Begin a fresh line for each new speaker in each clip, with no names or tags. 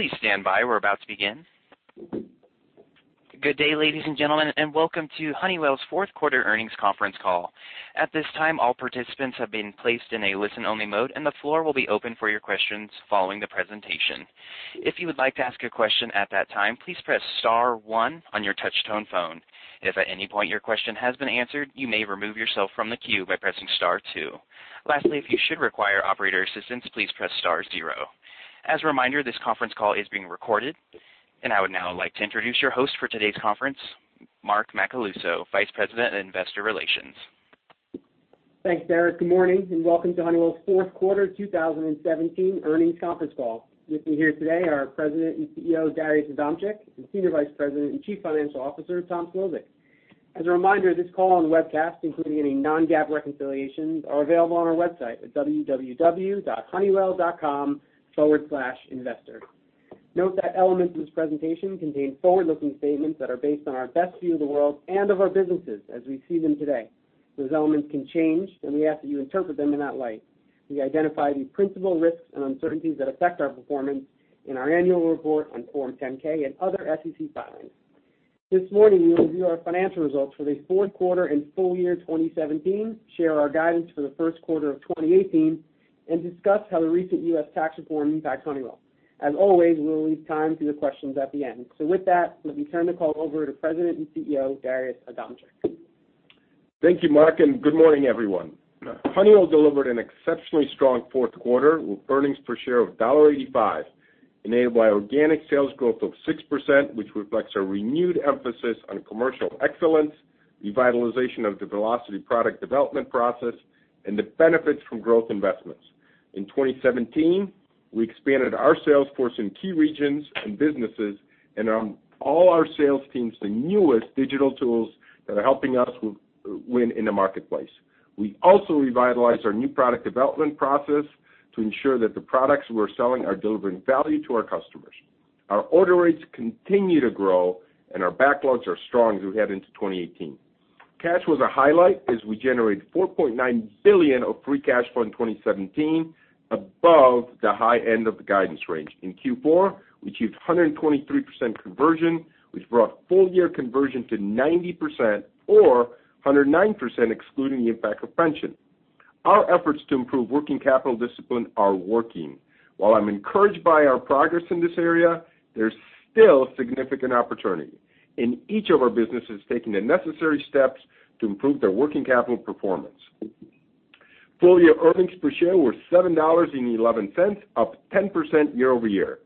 Please stand by. We're about to begin. Good day, ladies and gentlemen, and welcome to Honeywell's fourth quarter earnings conference call. At this time, all participants have been placed in a listen-only mode, and the floor will be open for your questions following the presentation. If you would like to ask a question at that time, please press star one on your touch-tone phone. If at any point your question has been answered, you may remove yourself from the queue by pressing star two. Lastly, if you should require operator assistance, please press star zero. As a reminder, this conference call is being recorded. I would now like to introduce your host for today's conference, Mark Macaluso, Vice President of Investor Relations.
Thanks, Derek. Good morning and welcome to Honeywell's fourth quarter 2017 earnings conference call. With me here today are our President and CEO, Darius Adamczyk, and Senior Vice President and Chief Financial Officer, Tom Szlosek. As a reminder, this call on webcast, including any non-GAAP reconciliations, are available on our website at www.honeywell.com/investor. Note that elements of this presentation contain forward-looking statements that are based on our best view of the world and of our businesses as we see them today. Those elements can change. We ask that you interpret them in that light. We identify the principal risks and uncertainties that affect our performance in our annual report on Form 10-K and other SEC filings. This morning, we will review our financial results for the fourth quarter and full year 2017, share our guidance for the first quarter of 2018, and discuss how the recent U.S. tax reform impacts Honeywell. As always, we will leave time for your questions at the end. With that, let me turn the call over to President and CEO, Darius Adamczyk.
Thank you, Mark, and good morning, everyone. Honeywell delivered an exceptionally strong fourth quarter with earnings per share of $1.85, enabled by organic sales growth of 6%, which reflects a renewed emphasis on commercial excellence, revitalization of the Velocity Product Development process, and the benefits from growth investments. In 2017, we expanded our sales force in key regions and businesses and armed all our sales teams with the newest digital tools that are helping us win in the marketplace. We also revitalized our new product development process to ensure that the products we're selling are delivering value to our customers. Our order rates continue to grow, and our backlogs are strong as we head into 2018. Cash was a highlight as we generated $4.9 billion of free cash flow in 2017, above the high end of the guidance range. In Q4, we achieved 123% conversion, which brought full-year conversion to 90%, or 109% excluding the impact of pension. Our efforts to improve working capital discipline are working. While I'm encouraged by our progress in this area, there's still significant opportunity, and each of our business is taking the necessary steps to improve their working capital performance. Full-year earnings per share were $7.11, up 10% year-over-year.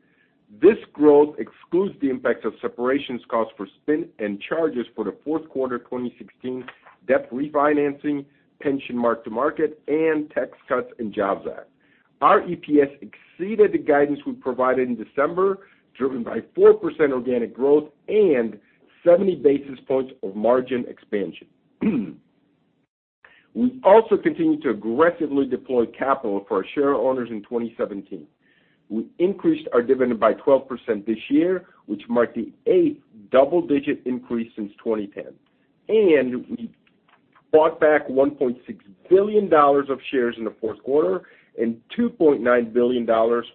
This growth excludes the impact of separations cost for spin and charges for the fourth quarter 2016 debt refinancing, pension mark-to-market, and Tax Cuts and Jobs Act. Our EPS exceeded the guidance we provided in December, driven by 4% organic growth and 70 basis points of margin expansion. We also continued to aggressively deploy capital for our shareowners in 2017. We increased our dividend by 12% this year, which marked the eighth double-digit increase since 2010. We bought back $1.6 billion of shares in the fourth quarter and $2.9 billion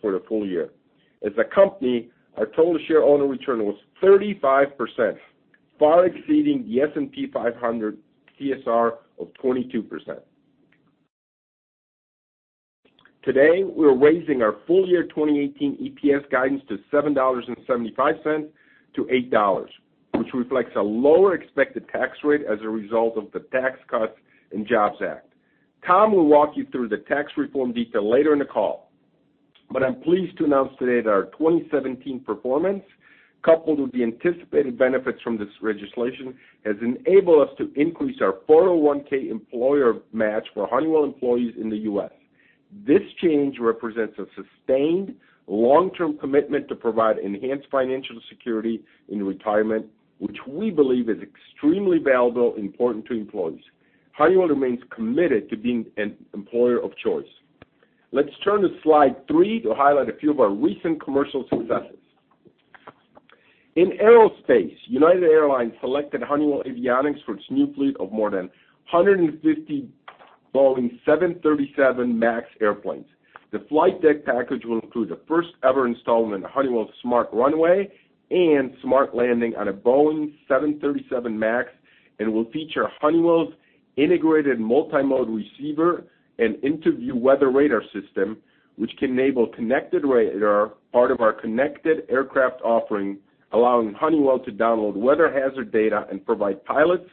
for the full year. As a company, our total shareowner return was 35%, far exceeding the S&P 500 TSR of 22%. Today, we're raising our full-year 2018 EPS guidance to $7.75-$8, which reflects a lower expected tax rate as a result of the Tax Cuts and Jobs Act. Tom will walk you through the tax reform detail later in the call, but I'm pleased to announce today that our 2017 performance, coupled with the anticipated benefits from this legislation, has enabled us to increase our 401K employer match for Honeywell employees in the U.S. This change represents a sustained long-term commitment to provide enhanced financial security in retirement, which we believe is extremely valuable and important to employees. Honeywell remains committed to being an employer of choice. Let's turn to slide three to highlight a few of our recent commercial successes. In aerospace, United Airlines selected Honeywell Avionics for its new fleet of more than 150 Boeing 737 MAX airplanes. The flight deck package will include the first-ever installment of Honeywell SmartRunway and SmartLanding on a Boeing 737 MAX and will feature Honeywell's integrated multi-mode receiver and IntuVue Weather Radar system, which can enable connected radar, part of our Connected Aircraft offering, allowing Honeywell to download weather hazard data and provide pilots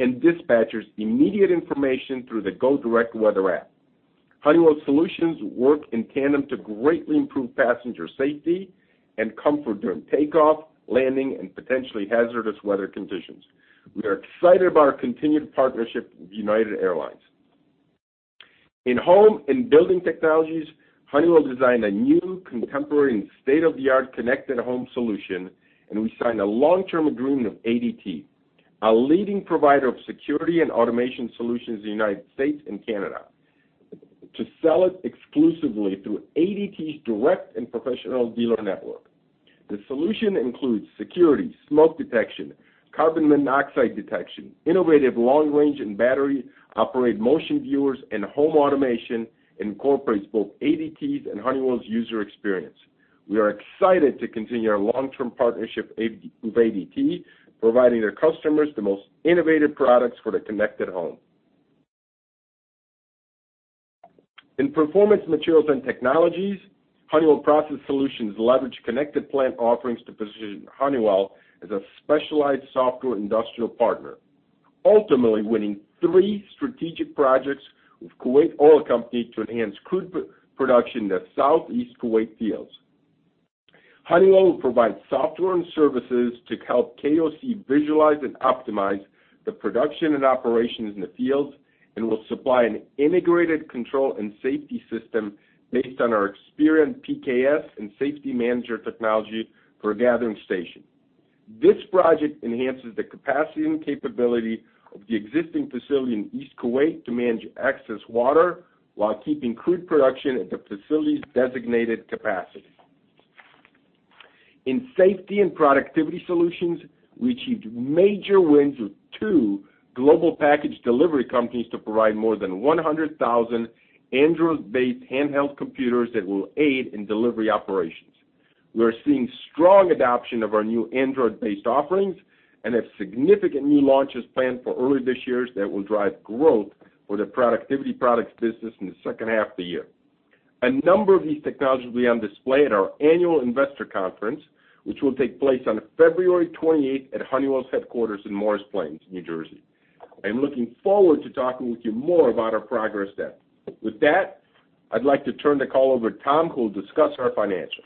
and dispatchers immediate information through the GoDirect Weather app. Honeywell solutions work in tandem to greatly improve passenger safety and comfort during takeoff, landing, and potentially hazardous weather conditions. We are excited about our continued partnership with United Airlines. In Home and Building Technologies, Honeywell designed a new contemporary and state-of-the-art connected home solution. We signed a long-term agreement with ADT, a leading provider of security and automation solutions in the U.S. and Canada, to sell it exclusively through ADT's direct and professional dealer network. The solution includes security, smoke detection- Carbon monoxide detection, innovative long range and battery, operate motion viewers and home automation, incorporates both ADT's and Honeywell's user experience. We are excited to continue our long-term partnership of ADT, providing their customers the most innovative products for their connected home. In Performance Materials and Technologies, Honeywell Process Solutions leveraged Connected Plant offerings to position Honeywell as a specialized software industrial partner, ultimately winning three strategic projects with Kuwait Oil Company to enhance crude production in the Southeast Kuwait fields. Honeywell will provide software and services to help KOC visualize and optimize the production and operations in the fields, and will supply an integrated control and safety system based on our Experion PKS and Safety Manager technology for a gathering station. This project enhances the capacity and capability of the existing facility in East Kuwait to manage excess water while keeping crude production at the facility's designated capacity. In safety and productivity solutions, we achieved major wins with two global package delivery companies to provide more than 100,000 Android-based handheld computers that will aid in delivery operations. We are seeing strong adoption of our new Android-based offerings and have significant new launches planned for early this year that will drive growth for the productivity products business in the second half of the year. A number of these technologies will be on display at our annual investor conference, which will take place on February 28th at Honeywell's headquarters in Morris Plains, New Jersey. I am looking forward to talking with you more about our progress then. With that, I'd like to turn the call over to Tom, who will discuss our financials.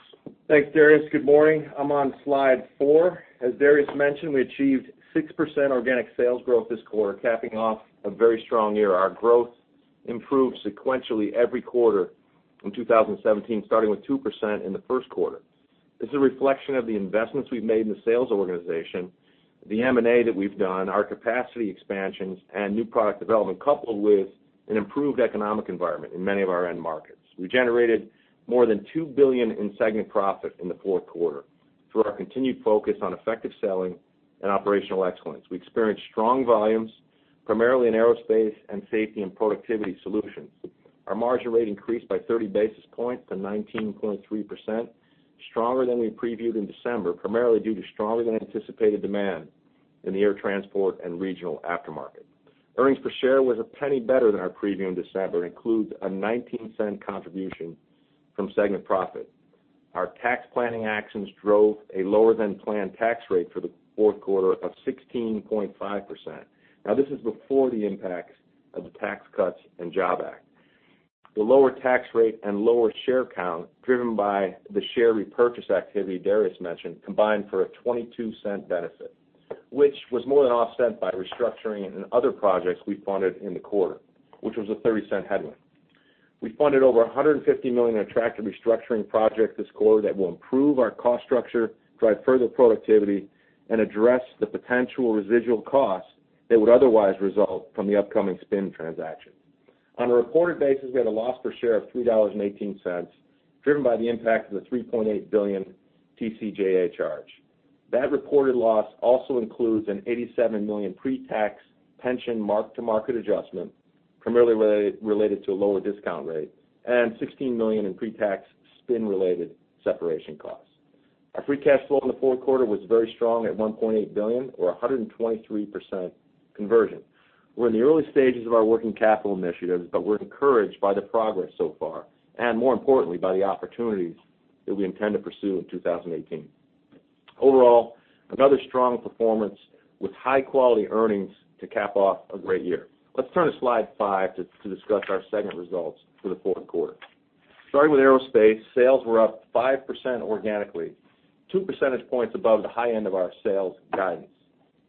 Thanks, Darius. Good morning. I'm on slide four. As Darius mentioned, we achieved 6% organic sales growth this quarter, capping off a very strong year. Our growth improved sequentially every quarter in 2017, starting with 2% in the first quarter. This is a reflection of the investments we've made in the sales organization, the M&A that we've done, our capacity expansions, and new product development, coupled with an improved economic environment in many of our end markets. We generated more than $2 billion in segment profit in the fourth quarter through our continued focus on effective selling and operational excellence. We experienced strong volumes, primarily in aerospace and safety and productivity solutions. Our margin rate increased by 30 basis points to 19.3%, stronger than we previewed in December, primarily due to stronger than anticipated demand in the air transport and regional aftermarket. Earnings per share was $0.01 better than our preview in December, includes a $0.19 contribution from segment profit. Our tax planning actions drove a lower than planned tax rate for the fourth quarter of 16.5%. Now, this is before the impacts of the Tax Cuts and Jobs Act. The lower tax rate and lower share count, driven by the share repurchase activity Darius mentioned, combined for a $0.22 benefit, which was more than offset by restructuring and other projects we funded in the quarter, which was a $0.30 headwind. We funded over $150 million in attractive restructuring projects this quarter that will improve our cost structure, drive further productivity, and address the potential residual costs that would otherwise result from the upcoming spin transaction. On a reported basis, we had a loss per share of $3.18, driven by the impact of the $3.8 billion TCJA charge. That reported loss also includes an $87 million pre-tax pension mark-to-market adjustment, primarily related to a lower discount rate, and $16 million in pre-tax spin-related separation costs. Our free cash flow in the fourth quarter was very strong at $1.8 billion, or 123% conversion. We're in the early stages of our working capital initiatives, but we're encouraged by the progress so far, and more importantly, by the opportunities that we intend to pursue in 2018. Overall, another strong performance with high-quality earnings to cap off a great year. Let's turn to slide five to discuss our segment results for the fourth quarter. Starting with Aerospace, sales were up 5% organically, two percentage points above the high end of our sales guidance.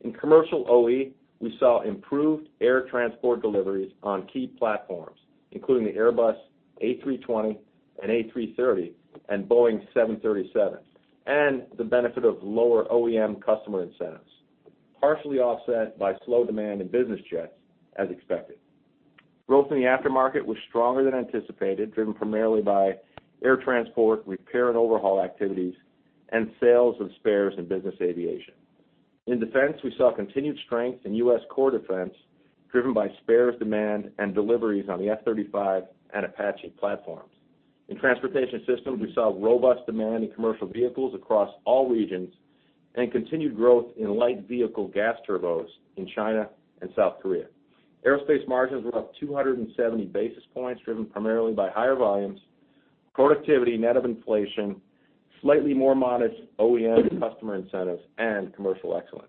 In commercial OE, we saw improved air transport deliveries on key platforms, including the Airbus A320 and A330 and Boeing 737, and the benefit of lower OEM customer incentives, partially offset by slow demand in business jets, as expected. Growth in the aftermarket was stronger than anticipated, driven primarily by air transport, repair and overhaul activities, and sales of spares in business aviation. In defense, we saw continued strength in U.S. core defense, driven by spares demand and deliveries on the F-35 and Apache platforms. In Transportation Systems, we saw robust demand in commercial vehicles across all regions and continued growth in light vehicle gas turbos in China and South Korea. Aerospace margins were up 270 basis points, driven primarily by higher volumes, productivity net of inflation, slightly more modest OEM customer incentives, and commercial excellence.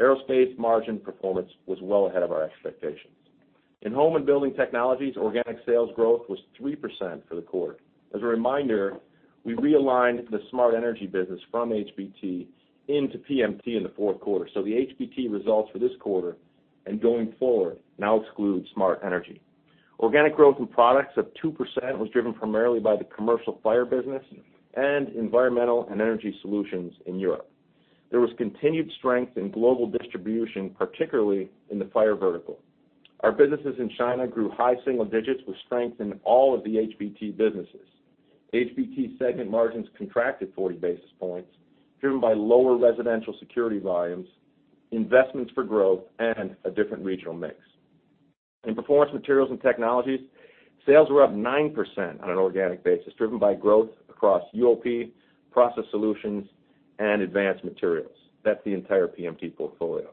Aerospace margin performance was well ahead of our expectations. In Home and Building Technologies, organic sales growth was 3% for the quarter. As a reminder, we realigned the Smart Energy business from HBT into PMT in the fourth quarter, so the HBT results for this quarter and going forward now exclude Smart Energy. Organic growth in products of 2% was driven primarily by the commercial fire business and environmental and energy solutions in Europe. There was continued strength in global distribution, particularly in the fire vertical. Our businesses in China grew high single digits with strength in all of the HBT businesses. HBT segment margins contracted 40 basis points, driven by lower residential security volumes, investments for growth, and a different regional mix. In Performance Materials & Technologies, sales were up 9% on an organic basis, driven by growth across UOP, Process Solutions, and Advanced Materials. That's the entire PMT portfolio.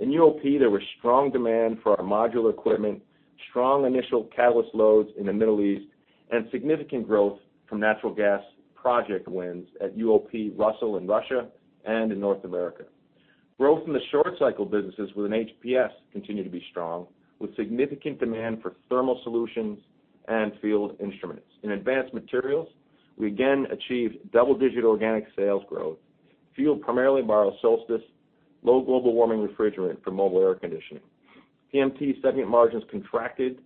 In UOP, there was strong demand for our modular equipment, strong initial catalyst loads in the Middle East, and significant growth from natural gas project wins at UOP Russell in Russia and in North America. Growth in the short-cycle businesses within HPS continue to be strong, with significant demand for thermal solutions and field instruments. In Advanced Materials, we again achieved double-digit organic sales growth, fueled primarily by our Solstice low global warming refrigerant for mobile air conditioning. PMT segment margins contracted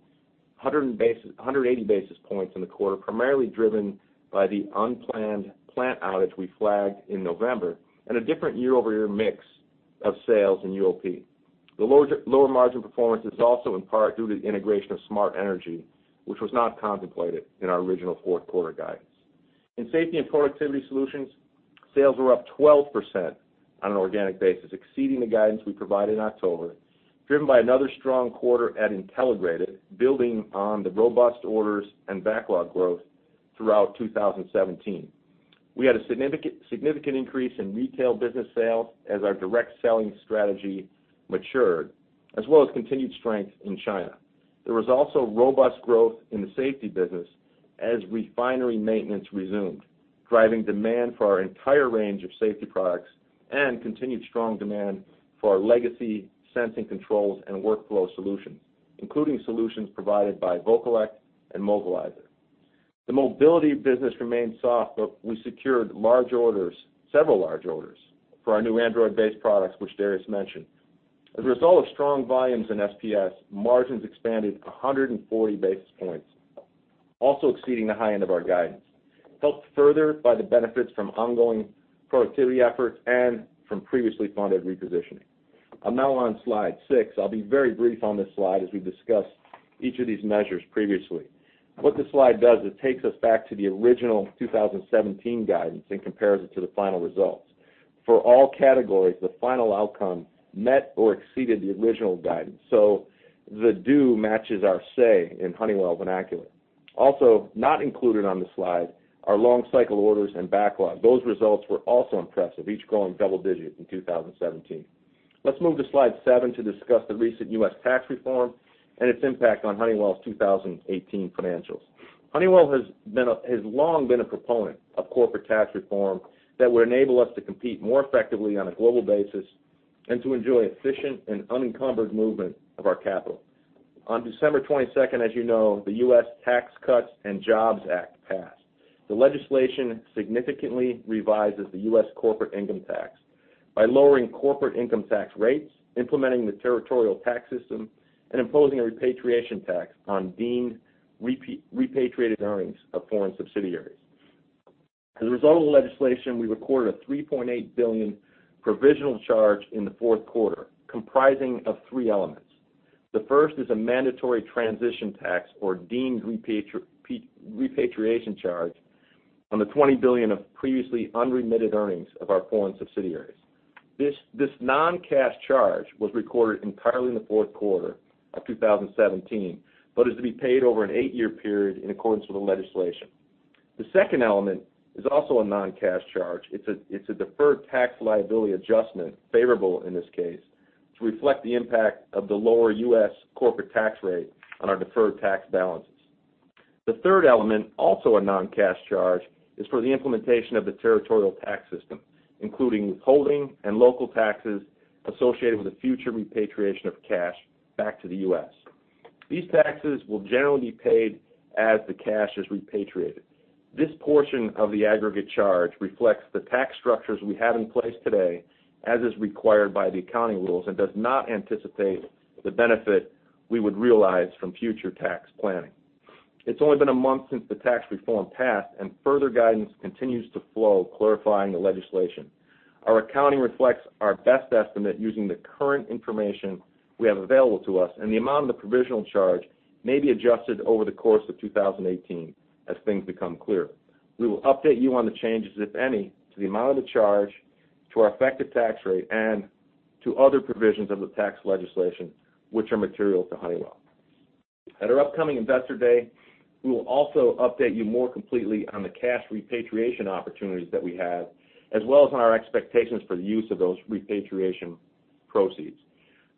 180 basis points in the quarter, primarily driven by the unplanned plant outage we flagged in November and a different year-over-year mix of sales in UOP. The lower margin performance is also in part due to the integration of Smart Energy, which was not contemplated in our original fourth quarter guidance. In Safety and Productivity Solutions, sales were up 12% on an organic basis, exceeding the guidance we provided in October, driven by another strong quarter at Intelligrated, building on the robust orders and backlog growth throughout 2017. We had a significant increase in retail business sales as our direct selling strategy matured, as well as continued strength in China. There was also robust growth in the safety business as refinery maintenance resumed, driving demand for our entire range of safety products and continued strong demand for our legacy sensing controls and workflow solutions, including solutions provided by Vocollect and Movilizer. The mobility business remained soft, but we secured several large orders for our new Android-based products, which Darius mentioned. A result of strong volumes in SPS, margins expanded 140 basis points, also exceeding the high end of our guidance, helped further by the benefits from ongoing productivity efforts and from previously funded repositioning. I'm now on slide six. I'll be very brief on this slide as we've discussed each of these measures previously. What this slide does is takes us back to the original 2017 guidance and compares it to the final results. For all categories, the final outcome met or exceeded the original guidance. The do matches our say in Honeywell vernacular. Also, not included on the slide are long cycle orders and backlog. Those results were also impressive, each growing double digit in 2017. Move to slide seven to discuss the recent U.S. tax reform and its impact on Honeywell's 2018 financials. Honeywell has long been a proponent of corporate tax reform that would enable us to compete more effectively on a global basis and to enjoy efficient and unencumbered movement of our capital. On December 22nd, as you know, the U.S. Tax Cuts and Jobs Act passed. The legislation significantly revises the U.S. corporate income tax by lowering corporate income tax rates, implementing the territorial tax system, and imposing a repatriation tax on deemed repatriated earnings of foreign subsidiaries. A result of the legislation, we recorded a $3.8 billion provisional charge in the fourth quarter, comprising of three elements. The first is a mandatory transition tax or deemed repatriation charge on the $20 billion of previously unremitted earnings of our foreign subsidiaries. This non-cash charge was recorded entirely in the fourth quarter of 2017, but is to be paid over an eight-year period in accordance with the legislation. The second element is also a non-cash charge. It's a deferred tax liability adjustment, favorable in this case, to reflect the impact of the lower U.S. corporate tax rate on our deferred tax balances. The third element, also a non-cash charge, is for the implementation of the territorial tax system, including withholding and local taxes associated with the future repatriation of cash back to the U.S. These taxes will generally be paid as the cash is repatriated. This portion of the aggregate charge reflects the tax structures we have in place today, as is required by the accounting rules, and does not anticipate the benefit we would realize from future tax planning. It's only been a month since the tax reform passed, and further guidance continues to flow, clarifying the legislation. Our accounting reflects our best estimate using the current information we have available to us, the amount of the provisional charge may be adjusted over the course of 2018 as things become clearer. We will update you on the changes, if any, to the amount of the charge, to our effective tax rate, and to other provisions of the tax legislation which are material to Honeywell. At our upcoming Investor Day, we will also update you more completely on the cash repatriation opportunities that we have, as well as on our expectations for the use of those repatriation proceeds.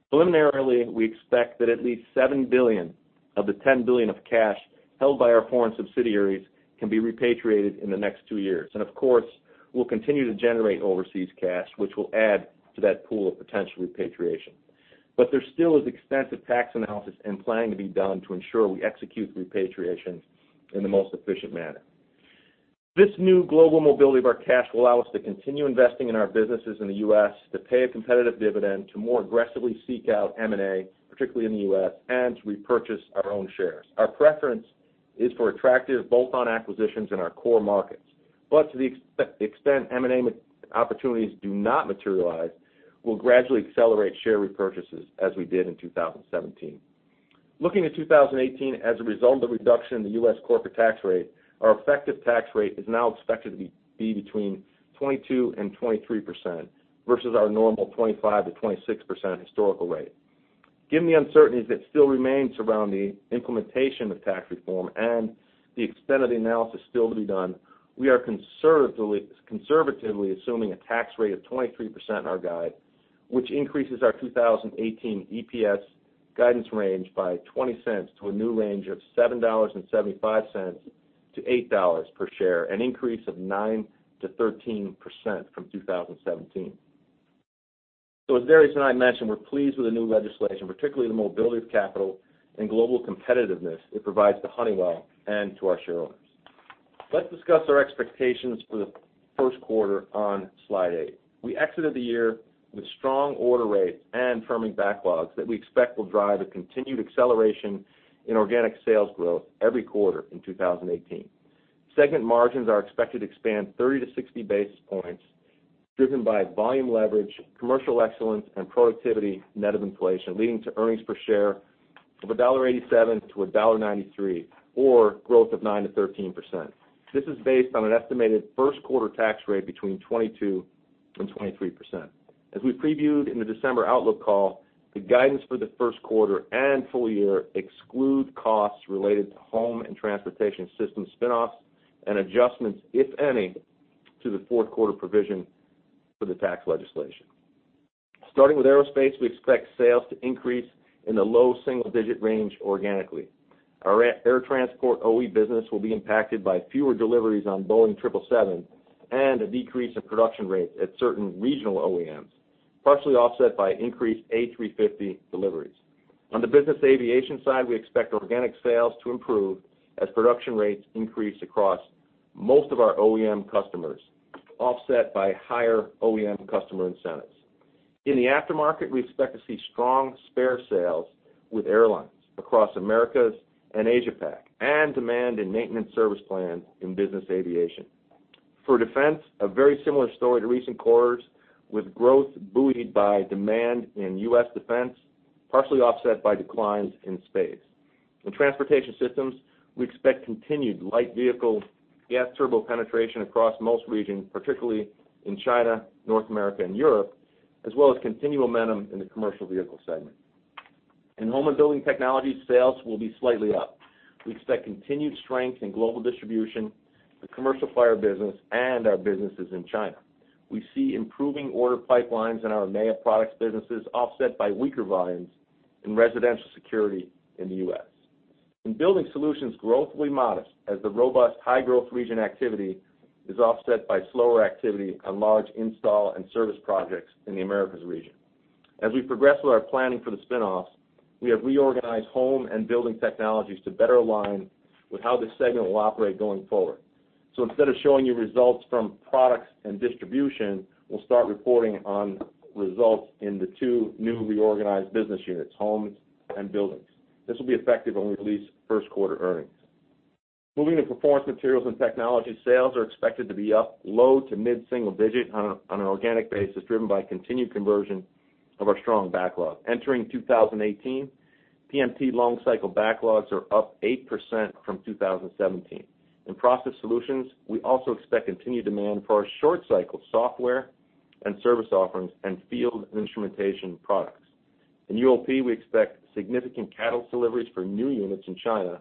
Preliminarily, we expect that at least $7 billion of the $10 billion of cash held by our foreign subsidiaries can be repatriated in the next two years. Of course, we'll continue to generate overseas cash, which will add to that pool of potential repatriation. There still is extensive tax analysis and planning to be done to ensure we execute the repatriation in the most efficient manner. This new global mobility of our cash will allow us to continue investing in our businesses in the U.S., to pay a competitive dividend, to more aggressively seek out M&A, particularly in the U.S., and to repurchase our own shares. Our preference is for attractive bolt-on acquisitions in our core markets. To the extent M&A opportunities do not materialize, we'll gradually accelerate share repurchases as we did in 2017. Looking at 2018 as a result of the reduction in the U.S. corporate tax rate, our effective tax rate is now expected to be between 22%-23%, versus our normal 25%-26% historical rate. Given the uncertainties that still remain surrounding the implementation of tax reform and the extent of the analysis still to be done, we are conservatively assuming a tax rate of 23% in our guide, which increases our 2018 EPS guidance range by $0.20 to a new range of $7.75-$8 per share, an increase of 9%-13% from 2017. As Darius and I mentioned, we're pleased with the new legislation, particularly the mobility of capital and global competitiveness it provides to Honeywell and to our shareholders. Let's discuss our expectations for the first quarter on slide eight. We exited the year with strong order rates and firming backlogs that we expect will drive a continued acceleration in organic sales growth every quarter in 2018. Segment margins are expected to expand 30-60 basis points, driven by volume leverage, commercial excellence, and productivity net of inflation, leading to earnings per share of $1.87-$1.93, or growth of 9%-13%. This is based on an estimated first quarter tax rate between 22%-23%. As we previewed in the December outlook call, the guidance for the first quarter and full year exclude costs related to Home and Transportation Systems spin-offs and adjustments, if any, to the fourth quarter provision for the tax legislation. Starting with Aerospace, we expect sales to increase in the low single-digit range organically. Our Air Transport OE business will be impacted by fewer deliveries on Boeing 777 and a decrease in production rates at certain regional OEMs, partially offset by increased A350 deliveries. On the Business Aviation side, we expect organic sales to improve as production rates increase across most of our OEM customers, offset by higher OEM customer incentives. In the aftermarket, we expect to see strong spare sales with airlines across Americas and Asia Pac and demand in maintenance service plans in Business Aviation. For Defense, a very similar story to recent quarters with growth buoyed by demand in U.S. Defense, partially offset by declines in Space. In Transportation Systems, we expect continued light vehicle gas turbo penetration across most regions, particularly in China, North America, and Europe, as well as continued momentum in the commercial vehicle segment. In Home and Building Technologies, sales will be slightly up. We expect continued strength in global distribution, the commercial fire business, and our businesses in China. We see improving order pipelines in our MEA products businesses offset by weaker volumes in residential security in the U.S. In Building Solutions, growth will be modest as the robust high-growth region activity is offset by slower activity on large install and service projects in the Americas region. As we progress with our planning for the spin-offs, we have reorganized Home and Building Technologies to better align with how this segment will operate going forward. Instead of showing you results from products and distribution, we'll start reporting on results in the two new reorganized business units, Homes and Buildings. This will be effective when we release first quarter earnings. Moving to Performance Materials and Technologies, sales are expected to be up low to mid-single digit on an organic basis, driven by continued conversion of our strong backlog. Entering 2018, PMT long cycle backlogs are up 8% from 2017. In Process Solutions, we also expect continued demand for our short cycle software and service offerings and field instrumentation products. In UOP, we expect significant catalyst deliveries for new units in China,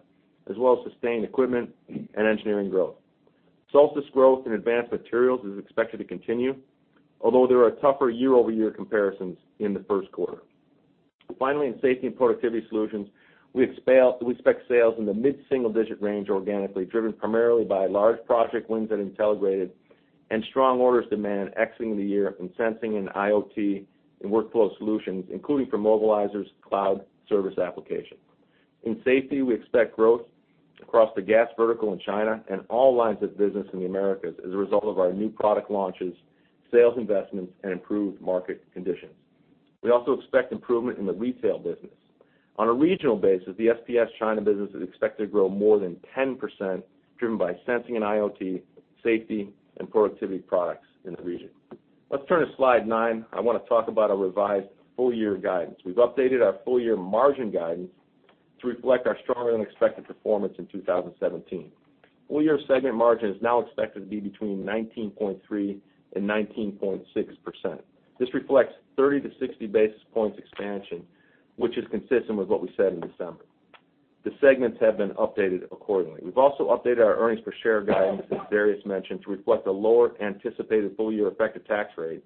as well as sustained equipment and engineering growth. Solstice growth in Advanced Materials is expected to continue, although there are tougher year-over-year comparisons in the first quarter. Finally, in Safety and Productivity Solutions, we expect sales in the mid-single digit range organically, driven primarily by large project wins at Intelligrated and strong orders demand exiting the year in sensing and IoT and workflow solutions, including for Movilizer's cloud service application. In safety, we expect growth across the gas vertical in China and all lines of business in the Americas as a result of our new product launches, sales investments, and improved market conditions. We also expect improvement in the retail business. On a regional basis, the SPS China business is expected to grow more than 10%, driven by sensing and IoT, safety, and productivity products in the region. Let's turn to slide nine. I want to talk about our revised full-year guidance. We've updated our full-year margin guidance to reflect our stronger than expected performance in 2017. Full-year segment margin is now expected to be between 19.3% and 19.6%. This reflects 30 to 60 basis points expansion, which is consistent with what we said in December. The segments have been updated accordingly. We've also updated our earnings per share guidance, as Darius mentioned, to reflect a lower anticipated full-year effective tax rate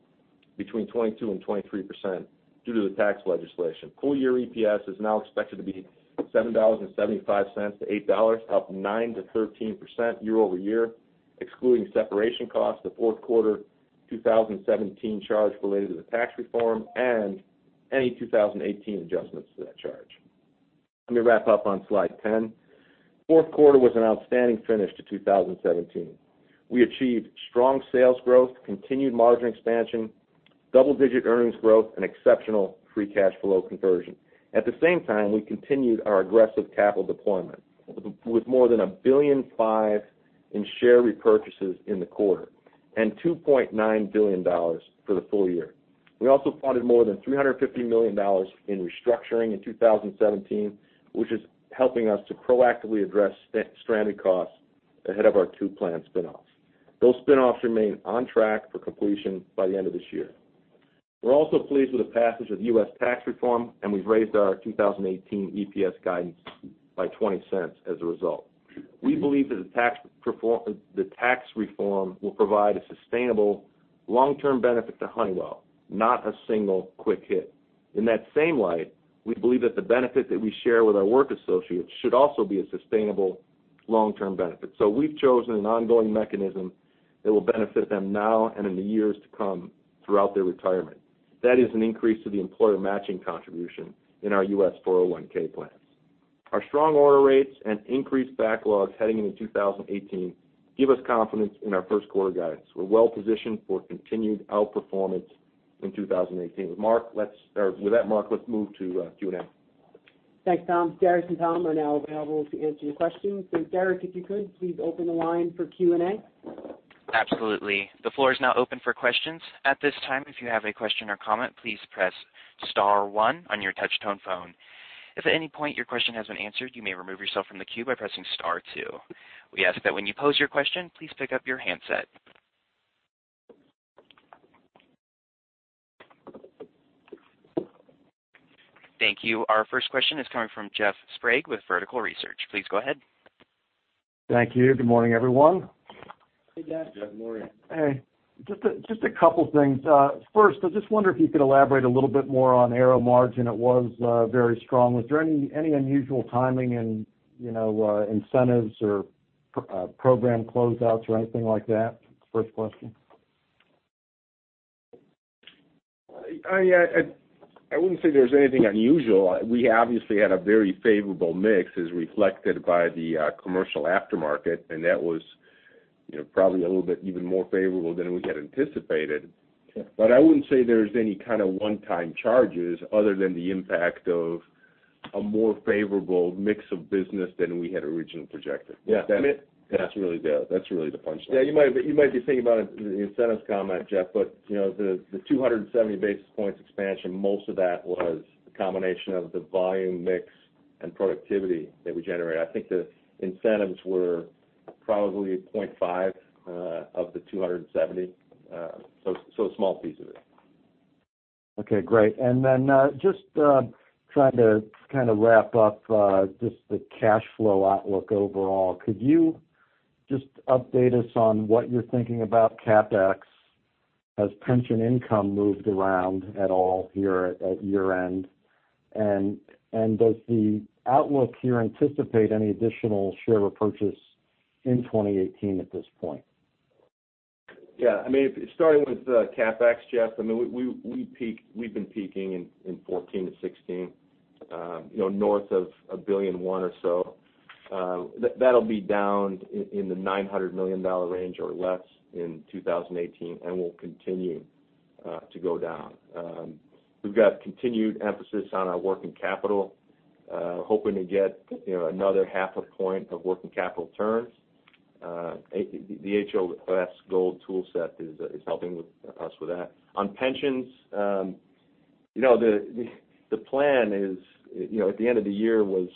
between 22% and 23% due to the tax legislation. Full-year EPS is now expected to be $7.75-$8, up 9%-13% year-over-year, excluding separation costs, the fourth quarter 2017 charge related to the Tax Reform, and any 2018 adjustments to that charge. Let me wrap up on slide 10. Fourth quarter was an outstanding finish to 2017. We achieved strong sales growth, continued margin expansion, double-digit earnings growth, and exceptional free cash flow conversion. At the same time, we continued our aggressive capital deployment with more than $1.5 billion in share repurchases in the quarter and $2.9 billion for the full year. We also funded more than $350 million in restructuring in 2017, which is helping us to proactively address stranded costs ahead of our two planned spin-offs. Those spin-offs remain on track for completion by the end of this year. We're also pleased with the passage of U.S. Tax Reform, we've raised our 2018 EPS guidance by $0.20 as a result. We believe that the Tax Reform will provide a sustainable long-term benefit to Honeywell, not a single quick hit. In that same light, we believe that the benefit that we share with our work associates should also be a sustainable long-term benefit. We've chosen an ongoing mechanism that will benefit them now and in the years to come throughout their retirement. That is an increase to the employer matching contribution in our U.S. 401K plan. Our strong order rates and increased backlogs heading into 2018 give us confidence in our first quarter guidance. We're well-positioned for continued outperformance in 2018. With that, Mark, let's move to Q&A.
Thanks, Tom. Derek and Tom are now available to answer your questions. Derek, if you could, please open the line for Q&A.
Absolutely. The floor is now open for questions. At this time, if you have a question or comment, please press *1 on your touch-tone phone. If at any point your question has been answered, you may remove yourself from the queue by pressing *2. We ask that when you pose your question, please pick up your handset. Thank you. Our first question is coming from Jeff Sprague with Vertical Research. Please go ahead.
Thank you. Good morning, everyone.
Hey, Jeff.
Good morning.
Hey. Just a couple things. First, I just wonder if you could elaborate a little bit more on aero margin. It was very strong. Was there any unusual timing in incentives or program closeouts or anything like that? First question.
I wouldn't say there's anything unusual. We obviously had a very favorable mix as reflected by the commercial aftermarket, and that was probably a little bit even more favorable than we had anticipated.
Okay.
I wouldn't say there's any kind of one-time charges other than the impact of a more favorable mix of business than we had originally projected. Does that?
Yeah.
That's really the punchline.
You might be thinking about it in the incentives comment, Jeff, the 270 basis points expansion, most of that was a combination of the volume mix and productivity that we generated. I think the incentives were probably 0.5 of the 270, so a small piece of it.
Okay, great. Just trying to kind of wrap up just the cash flow outlook overall, could you just update us on what you're thinking about CapEx? Has pension income moved around at all here at year-end? Does the outlook here anticipate any additional share repurchase in 2018 at this point?
Yeah. Starting with CapEx, Jeff, we've been peaking in 2014-2016, north of $1.1 billion or so. That'll be down in the $900 million range or less in 2018 and will continue to go down. We've got continued emphasis on our working capital, hoping to get another half a point of working capital turns. The HOS Gold tool set is helping us with that. On pensions, the plan at the end of the year was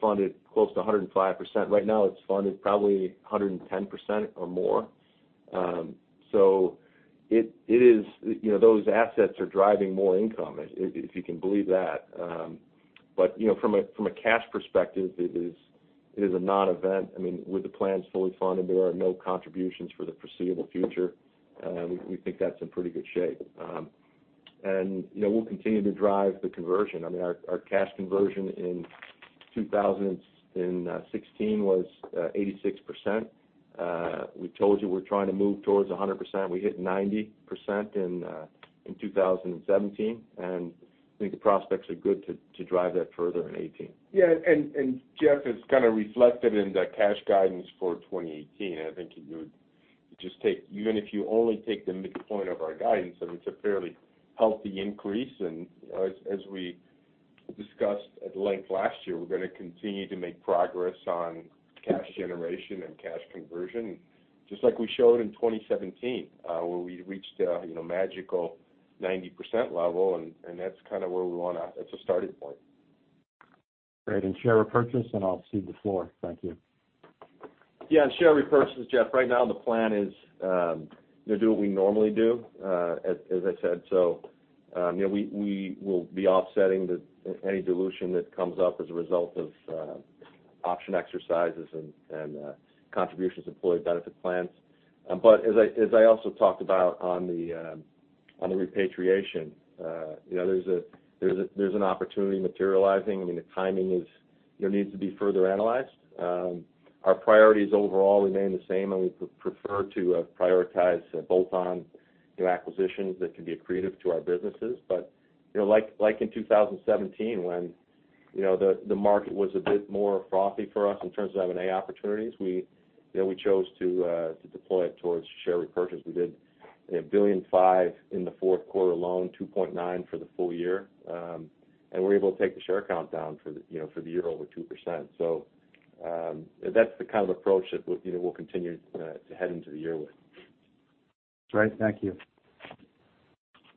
funded close to 105%. Right now it's funded probably 110% or more. Those assets are driving more income, if you can believe that. From a cash perspective, it is a non-event. With the plans fully funded, there are no contributions for the foreseeable future. We think that's in pretty good shape. We'll continue to drive the conversion. Our cash conversion in 2016 was 86%. We told you we're trying to move towards 100%. We hit 90% in 2017, I think the prospects are good to drive that further in 2018.
Yeah, Jeff, it's kind of reflected in the cash guidance for 2018. I think even if you only take the midpoint of our guidance, it's a fairly healthy increase. As we discussed at length last year, we're going to continue to make progress on cash generation and cash conversion, just like we showed in 2017, where we reached a magical 90% level, That's a starting point.
Great. Share repurchase, I'll cede the floor. Thank you.
On share repurchases, Jeff, right now the plan is to do what we normally do, as I said. We will be offsetting any dilution that comes up as a result of option exercises and contributions to employee benefit plans. As I also talked about on the repatriation, there's an opportunity materializing. The timing needs to be further analyzed. Our priorities overall remain the same, we prefer to prioritize bolt-on acquisitions that can be accretive to our businesses. Like in 2017 when the market was a bit more frothy for us in terms of M&A opportunities, we chose to deploy it towards share repurchase. We did $1.5 billion in the fourth quarter alone, $2.9 billion for the full year. We were able to take the share count down for the year over 2%. That's the kind of approach that we'll continue to head into the year with.
That's right. Thank you.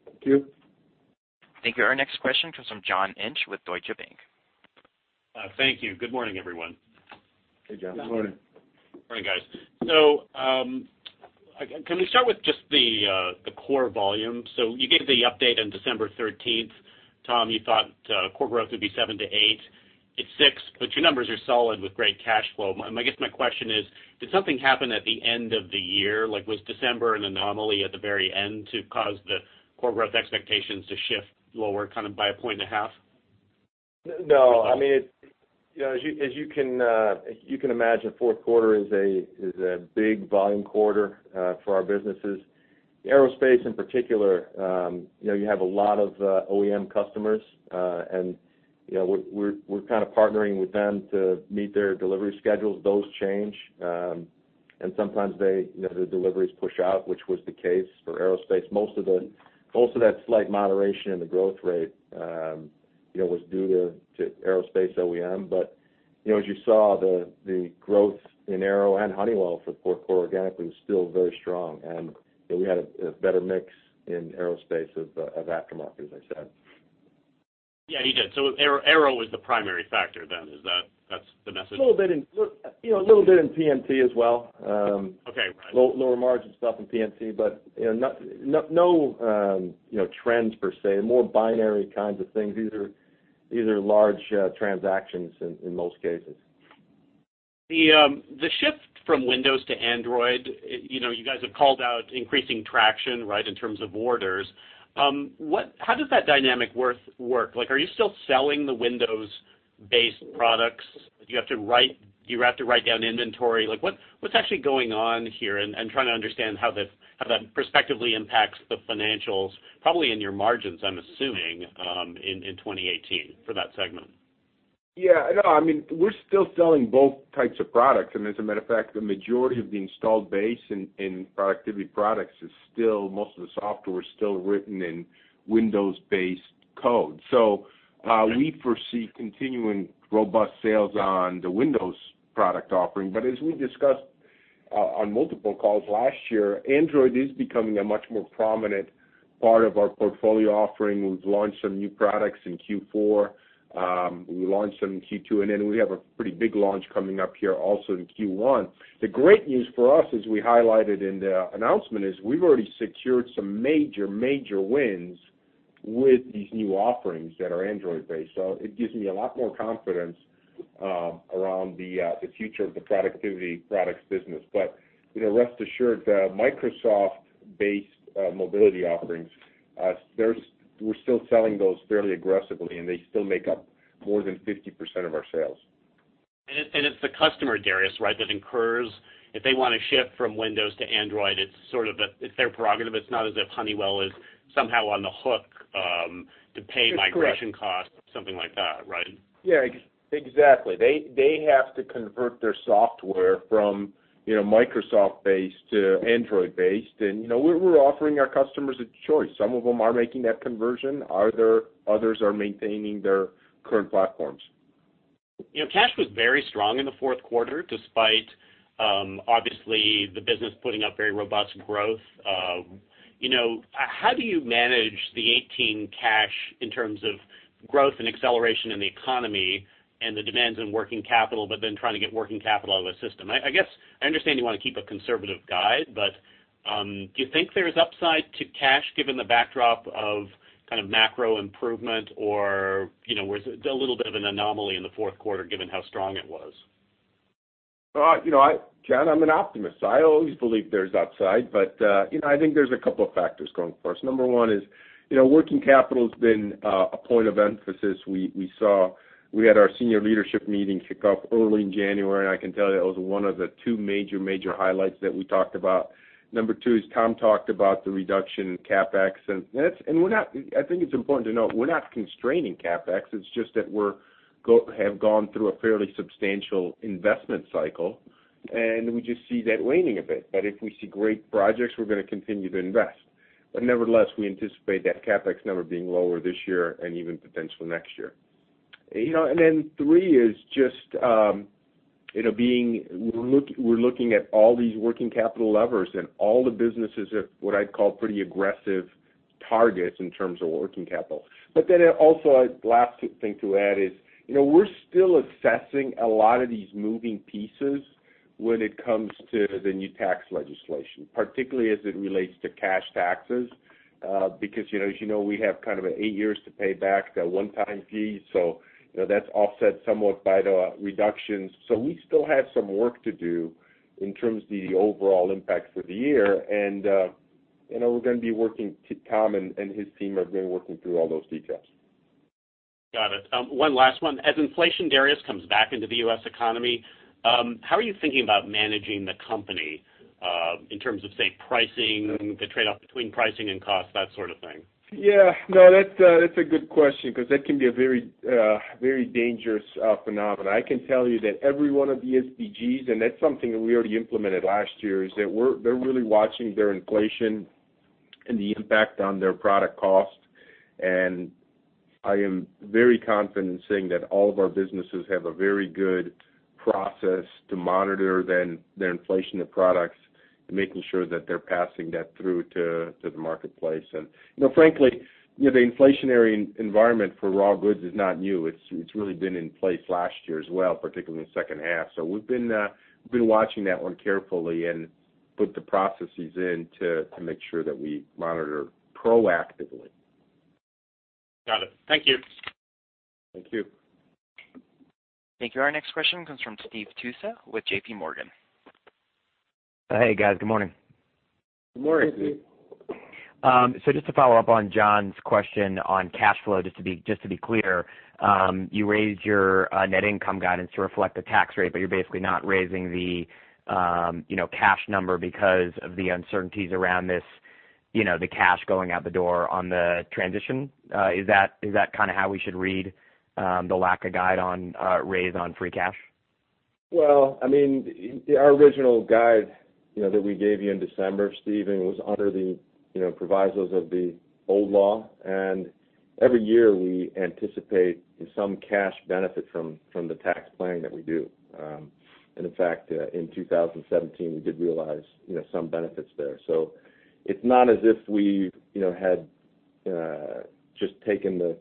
Thank you.
Thank you. Our next question comes from John Inch with Deutsche Bank.
Thank you. Good morning, everyone.
Hey, John.
Good morning.
All right, guys. Can we start with just the core volume? You gave the update on December 13th, Tom, you thought core growth would be 7% to 8%. It is 6%, but your numbers are solid with great cash flow. I guess my question is, did something happen at the end of the year? Like was December an anomaly at the very end to cause the core growth expectations to shift lower by a point and a half?
No. As you can imagine, fourth quarter is a big volume quarter for our businesses. Aerospace, in particular you have a lot of OEM customers, and we're partnering with them to meet their delivery schedules. Those change, and sometimes the deliveries push out, which was the case for Aerospace. Most of that slight moderation in the growth rate was due to Aerospace OEM. But as you saw, the growth in Aero and Honeywell for fourth quarter organically was still very strong, and we had a better mix in Aerospace of aftermarket, as I said.
Yeah, you did. Aero was the primary factor then. That's the message?
A little bit in PMT as well.
Okay.
Lower margin stuff in PMT, no trends per se, more binary kinds of things. These are large transactions in most cases.
The shift from Windows to Android, you guys have called out increasing traction in terms of orders. How does that dynamic work? Are you still selling the Windows-based products? Do you have to write down inventory? What's actually going on here? I'm trying to understand how that perspectively impacts the financials, probably in your margins, I'm assuming, in 2018 for that segment.
Yeah. We're still selling both types of products, as a matter of fact, the majority of the installed base in productivity products is still most of the software is still written in Windows-based code. We foresee continuing robust sales on the Windows product offering. As we discussed on multiple calls last year, Android is becoming a much more prominent part of our portfolio offering. We've launched some new products in Q4. We launched some in Q2, then we have a pretty big launch coming up here also in Q1. The great news for us, as we highlighted in the announcement, is we've already secured some major wins with these new offerings that are Android-based. It gives me a lot more confidence around the future of the productivity products business. rest assured, the Microsoft-based mobility offerings, we're still selling those fairly aggressively, and they still make up more than 50% of our sales.
It's the customer, Darius, that incurs if they want to shift from Windows to Android, it's their prerogative. It's not as if Honeywell is somehow on the hook to pay migration costs, something like that, right?
Exactly. They have to convert their software from Microsoft-based to Android-based, and we're offering our customers a choice. Some of them are making that conversion, others are maintaining their current platforms.
Cash was very strong in the fourth quarter, despite obviously the business putting up very robust growth. How do you manage the 2018 cash in terms of growth and acceleration in the economy and the demands in working capital, but then trying to get working capital out of the system? I guess I understand you want to keep a conservative guide, but do you think there's upside to cash given the backdrop of macro improvement, or was it a little bit of an anomaly in the fourth quarter, given how strong it was?
John, I'm an optimist, I always believe there's upside. I think there's a couple of factors going for us. Number 1 is working capital has been a point of emphasis. We had our senior leadership meeting kick off early in January, and I can tell you that was one of the 2 major highlights that we talked about. Number 2 is Tom talked about the reduction in CapEx, and I think it's important to note we're not constraining CapEx. It's just that we have gone through a fairly substantial investment cycle, and we just see that waning a bit. If we see great projects, we're going to continue to invest. Nevertheless, we anticipate that CapEx number being lower this year and even potential next year. 3 is just we're looking at all these working capital levers and all the businesses at what I'd call pretty aggressive targets in terms of working capital. Also, last thing to add is we're still assessing a lot of these moving pieces when it comes to the new tax legislation, particularly as it relates to cash taxes. Because as you know, we have 8 years to pay back the one-time fee, that's offset somewhat by the reductions. We still have some work to do in terms of the overall impact for the year, and we're going to be working, Tom and his team are going to be working through all those details.
Got it. 1 last one. As inflation, Darius, comes back into the U.S. economy, how are you thinking about managing the company in terms of, say, pricing, the trade-off between pricing and cost, that sort of thing?
Yeah. That's a good question because that can be a very dangerous phenomenon. I can tell you that every 1 of the SBGs, that's something that we already implemented last year, is that they're really watching their inflation, the impact on their product cost. I am very confident in saying that all of our businesses have a very good process to monitor their inflation of products and making sure that they're passing that through to the marketplace. Frankly, the inflationary environment for raw goods is not new. It's really been in place last year as well, particularly in the second half. We've been watching that 1 carefully and put the processes in to make sure that we monitor proactively.
Got it. Thank you.
Thank you.
Thank you. Our next question comes from Steve Tusa with JPMorgan.
Hey, guys. Good morning.
Good morning, Steve.
Just to follow up on John's question on cash flow, just to be clear, you raised your net income guidance to reflect the tax rate, but you're basically not raising the cash number because of the uncertainties around the cash going out the door on the transition. Is that how we should read the lack of guide on raise on free cash?
Our original guide that we gave you in December, Steven, was under the provisos of the old law. Every year, we anticipate some cash benefit from the tax planning that we do. In fact, in 2017, we did realize some benefits there. It's not as if we've had just taken the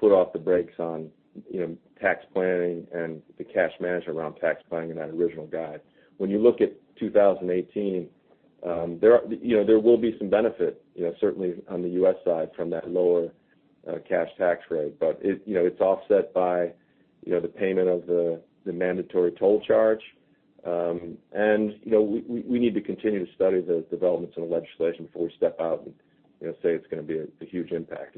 foot off the brakes on tax planning and the cash management around tax planning in that original guide. When you look at 2018, there will be some benefit, certainly on the U.S. side from that lower cash tax rate. It's offset by the payment of the mandatory toll charge. We need to continue to study the developments in the legislation before we step out and say it's going to be a huge impact.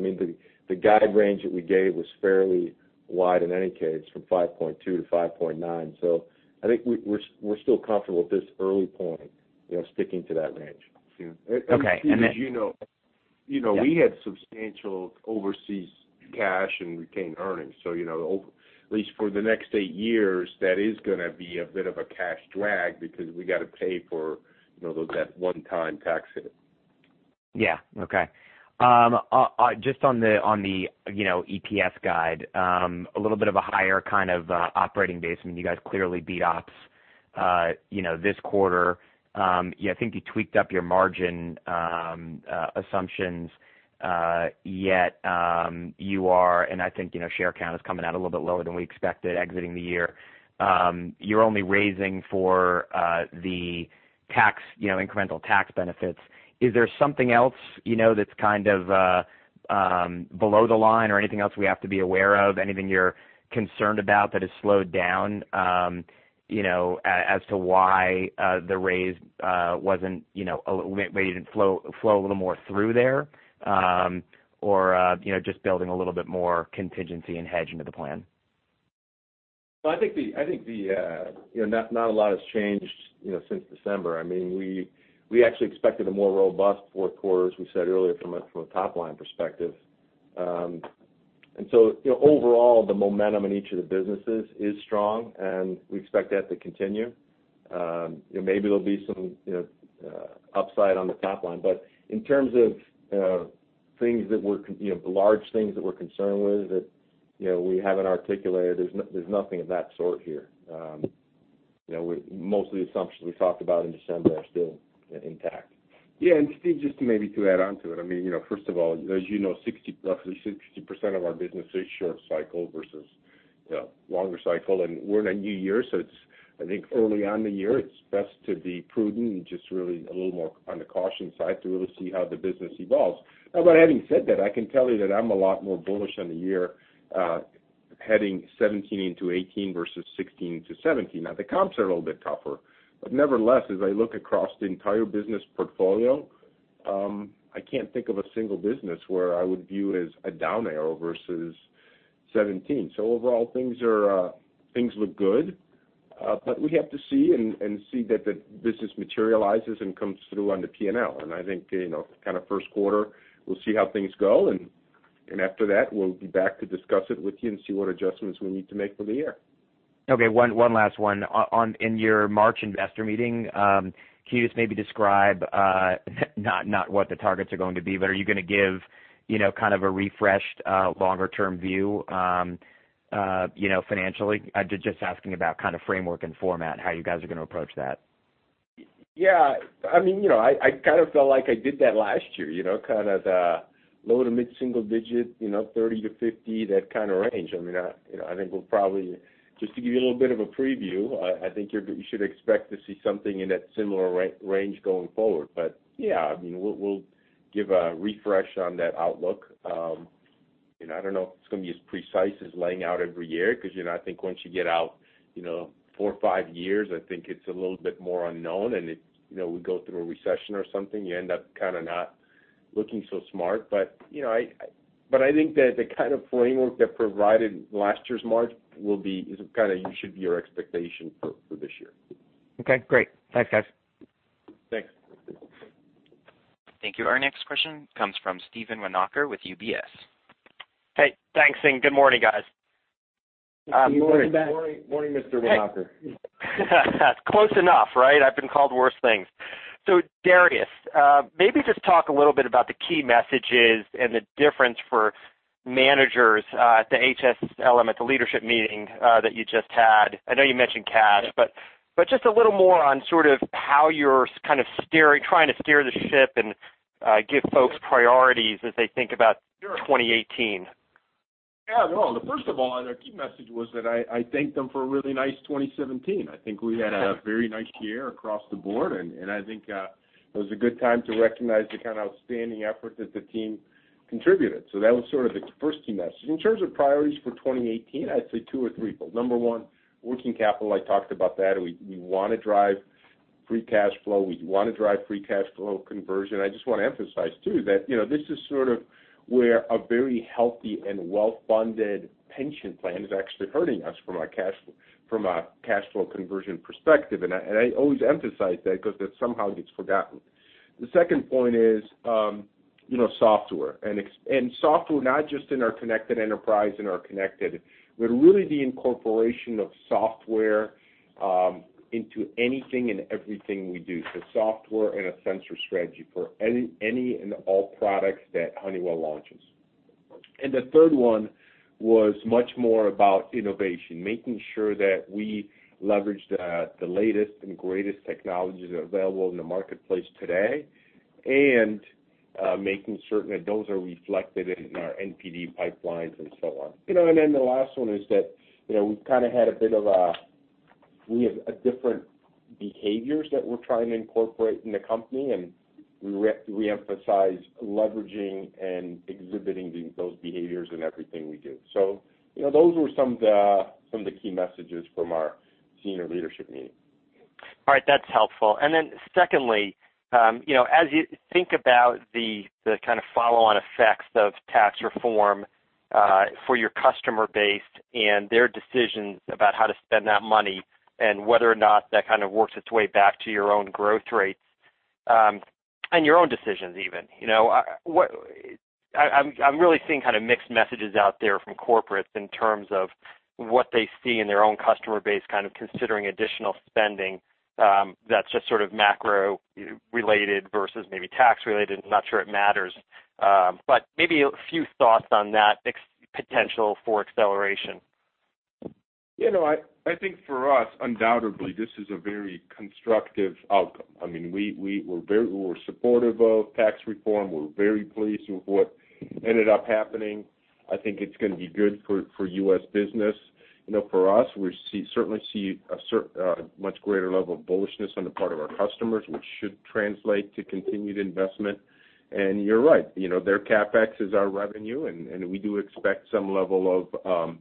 The guide range that we gave was fairly wide in any case, from 5.2-5.9. I think we're still comfortable at this early point, sticking to that range.
Okay.
Steve, as you know.
Yeah
we had substantial overseas cash and retained earnings. At least for the next eight years, that is going to be a bit of a cash drag because we got to pay for that one-time tax hit.
Yeah. Okay. Just on the EPS guide, a little bit of a higher kind of operating base. You guys clearly beat ops this quarter. I think you tweaked up your margin assumptions, yet you are, and I think share count is coming out a little bit lower than we expected exiting the year. You're only raising for the incremental tax benefits. Is there something else that's below the line or anything else we have to be aware? Just building a little bit more contingency and hedge into the plan?
I think not a lot has changed since December. We actually expected a more robust fourth quarter, as we said earlier, from a top-line perspective. Overall, the momentum in each of the businesses is strong, and we expect that to continue. Maybe there'll be some upside on the top line, but in terms of large things that we're concerned with that we haven't articulated, there's nothing of that sort here. Most of the assumptions we talked about in December are still intact. Steve, just maybe to add onto it. First of all, as you know, roughly 60% of our business is short cycle versus longer cycle. We're in a new year, so I think early on in the year, it's best to be prudent and just really a little more on the caution side to really see how the business evolves.
Having said that, I am a lot more bullish on the year heading 2017 into 2018 versus 2016 to 2017. The comps are a little bit tougher, nevertheless, as I look across the entire business portfolio, I cannot think of a single business where I would view it as a down arrow versus 2017. Overall, things look good. We have to see, and see that the business materializes and comes through on the P&L. I think, kind of first quarter, we will see how things go. After that, we will be back to discuss it with you and see what adjustments we need to make for the year.
Okay. One last one. In your March Investor Day, can you just maybe describe, not what the targets are going to be, but are you going to give a refreshed longer-term view financially? Just asking about framework and format, how you guys are going to approach that.
I felt like I did that last year. Kind of the low to mid-single digit, 30-50, that kind of range. I think we will probably, just to give you a little bit of a preview, I think you should expect to see something in that similar range going forward. We will give a refresh on that outlook. I do not know if it is going to be as precise as laying out every year, because I think once you get out four or five years, I think it is a little bit more unknown, and we go through a recession or something, you end up kind of not looking so smart. I think that the kind of framework that provided last year's March will be, kind of should be your expectation for this year.
Okay, great. Thanks, guys.
Thanks.
Thank you. Our next question comes from Steven Winoker with UBS.
Hey. Thanks, good morning, guys.
Morning, Mr. Winoker.
Hey. Close enough, right? I've been called worse things. Darius, maybe just talk a little bit about the key messages and the difference for managers at the HSM, the leadership meeting that you just had. I know you mentioned cash, but just a little more on sort of how you're kind of trying to steer the ship and give folks priorities as they think about 2018.
Yeah. No, first of all, the key message was that I thanked them for a really nice 2017. I think we had a very nice year across the board, and I think it was a good time to recognize the kind of outstanding effort that the team contributed. That was sort of the first key message. In terms of priorities for 2018, I'd say two or three. Number one, working capital, I talked about that. We want to drive free cash flow. We want to drive free cash flow conversion. I just want to emphasize, too, that this is sort of where a very healthy and well-funded pension plan is actually hurting us from a cash flow conversion perspective. I always emphasize that because that somehow gets forgotten. The second point is software, and software not just in our connected enterprise, but really the incorporation of software into anything and everything we do. Software and a sensor strategy for any and all products that Honeywell launches. The third one was much more about innovation, making sure that we leverage the latest and greatest technologies available in the marketplace today, and making certain that those are reflected in our NPD pipelines and so on. The last one is that we have different behaviors that we're trying to incorporate in the company, and we reemphasize leveraging and exhibiting those behaviors in everything we do. Those were some of the key messages from our senior leadership meeting.
All right. That's helpful. Secondly, as you think about the kind of follow-on effects of tax reform for your customer base and their decisions about how to spend that money and whether or not that kind of works its way back to your own growth rates, and your own decisions even. I'm really seeing kind of mixed messages out there from corporates in terms of what they see in their own customer base, kind of considering additional spending that's just sort of macro-related versus maybe tax-related. I'm not sure it matters. Maybe a few thoughts on that potential for acceleration.
I think for us, undoubtedly, this is a very constructive outcome. We're supportive of tax reform. We're very pleased with what ended up happening. I think it's going to be good for U.S. business. For us, we certainly see a much greater level of bullishness on the part of our customers, which should translate to continued investment. You're right, their CapEx is our revenue, and we do expect some level of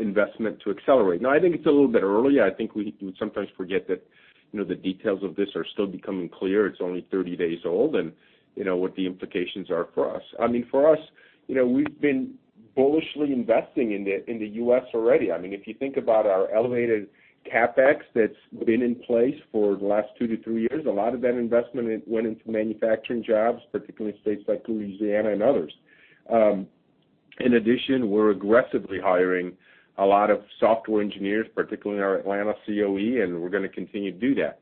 investment to accelerate. I think it's a little bit early. I think we sometimes forget that the details of this are still becoming clear. It's only 30 days old, and what the implications are for us. For us, we've been bullishly investing in the U.S. already. If you think about our elevated CapEx that's been in place for the last two to three years, a lot of that investment went into manufacturing jobs, particularly in states like Louisiana and others. In addition, we're aggressively hiring a lot of software engineers, particularly in our Atlanta COE, and we're going to continue to do that.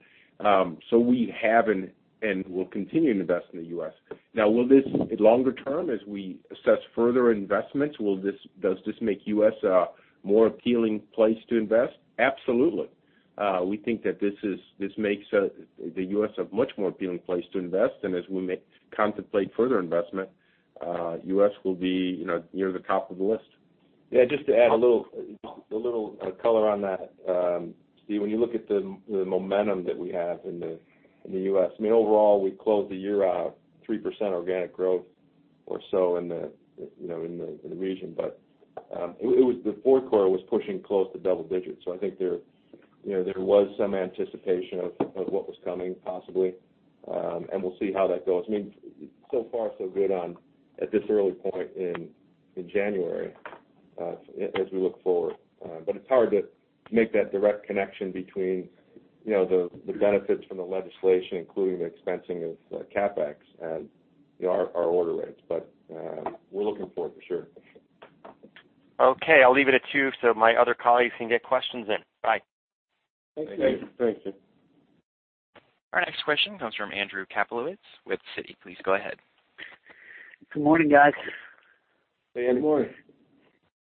We have and will continue to invest in the U.S. Will this, longer term, as we assess further investments, does this make U.S. a more appealing place to invest? Absolutely. We think that this makes the U.S. a much more appealing place to invest. As we contemplate further investment, U.S. will be near the top of the list.
Yeah, just to add a little color on that. Steve, when you look at the momentum that we have in the U.S., overall, we closed the year out 3% organic growth or so in the region. The fourth quarter was pushing close to double digits. I think there was some anticipation of what was coming, possibly, and we'll see how that goes. Far so good at this early point in January, as we look forward. It's hard to make that direct connection between the benefits from the legislation, including the expensing of CapEx and our order rates. We're looking for it, for sure.
Okay, I'll leave it at two. My other colleagues can get questions in. Bye.
Thank you. Thank you.
Our next question comes from Andrew Kaplowitz with Citi. Please go ahead.
Good morning, guys.
Hey, Andy. Good morning.
Darius and Tom,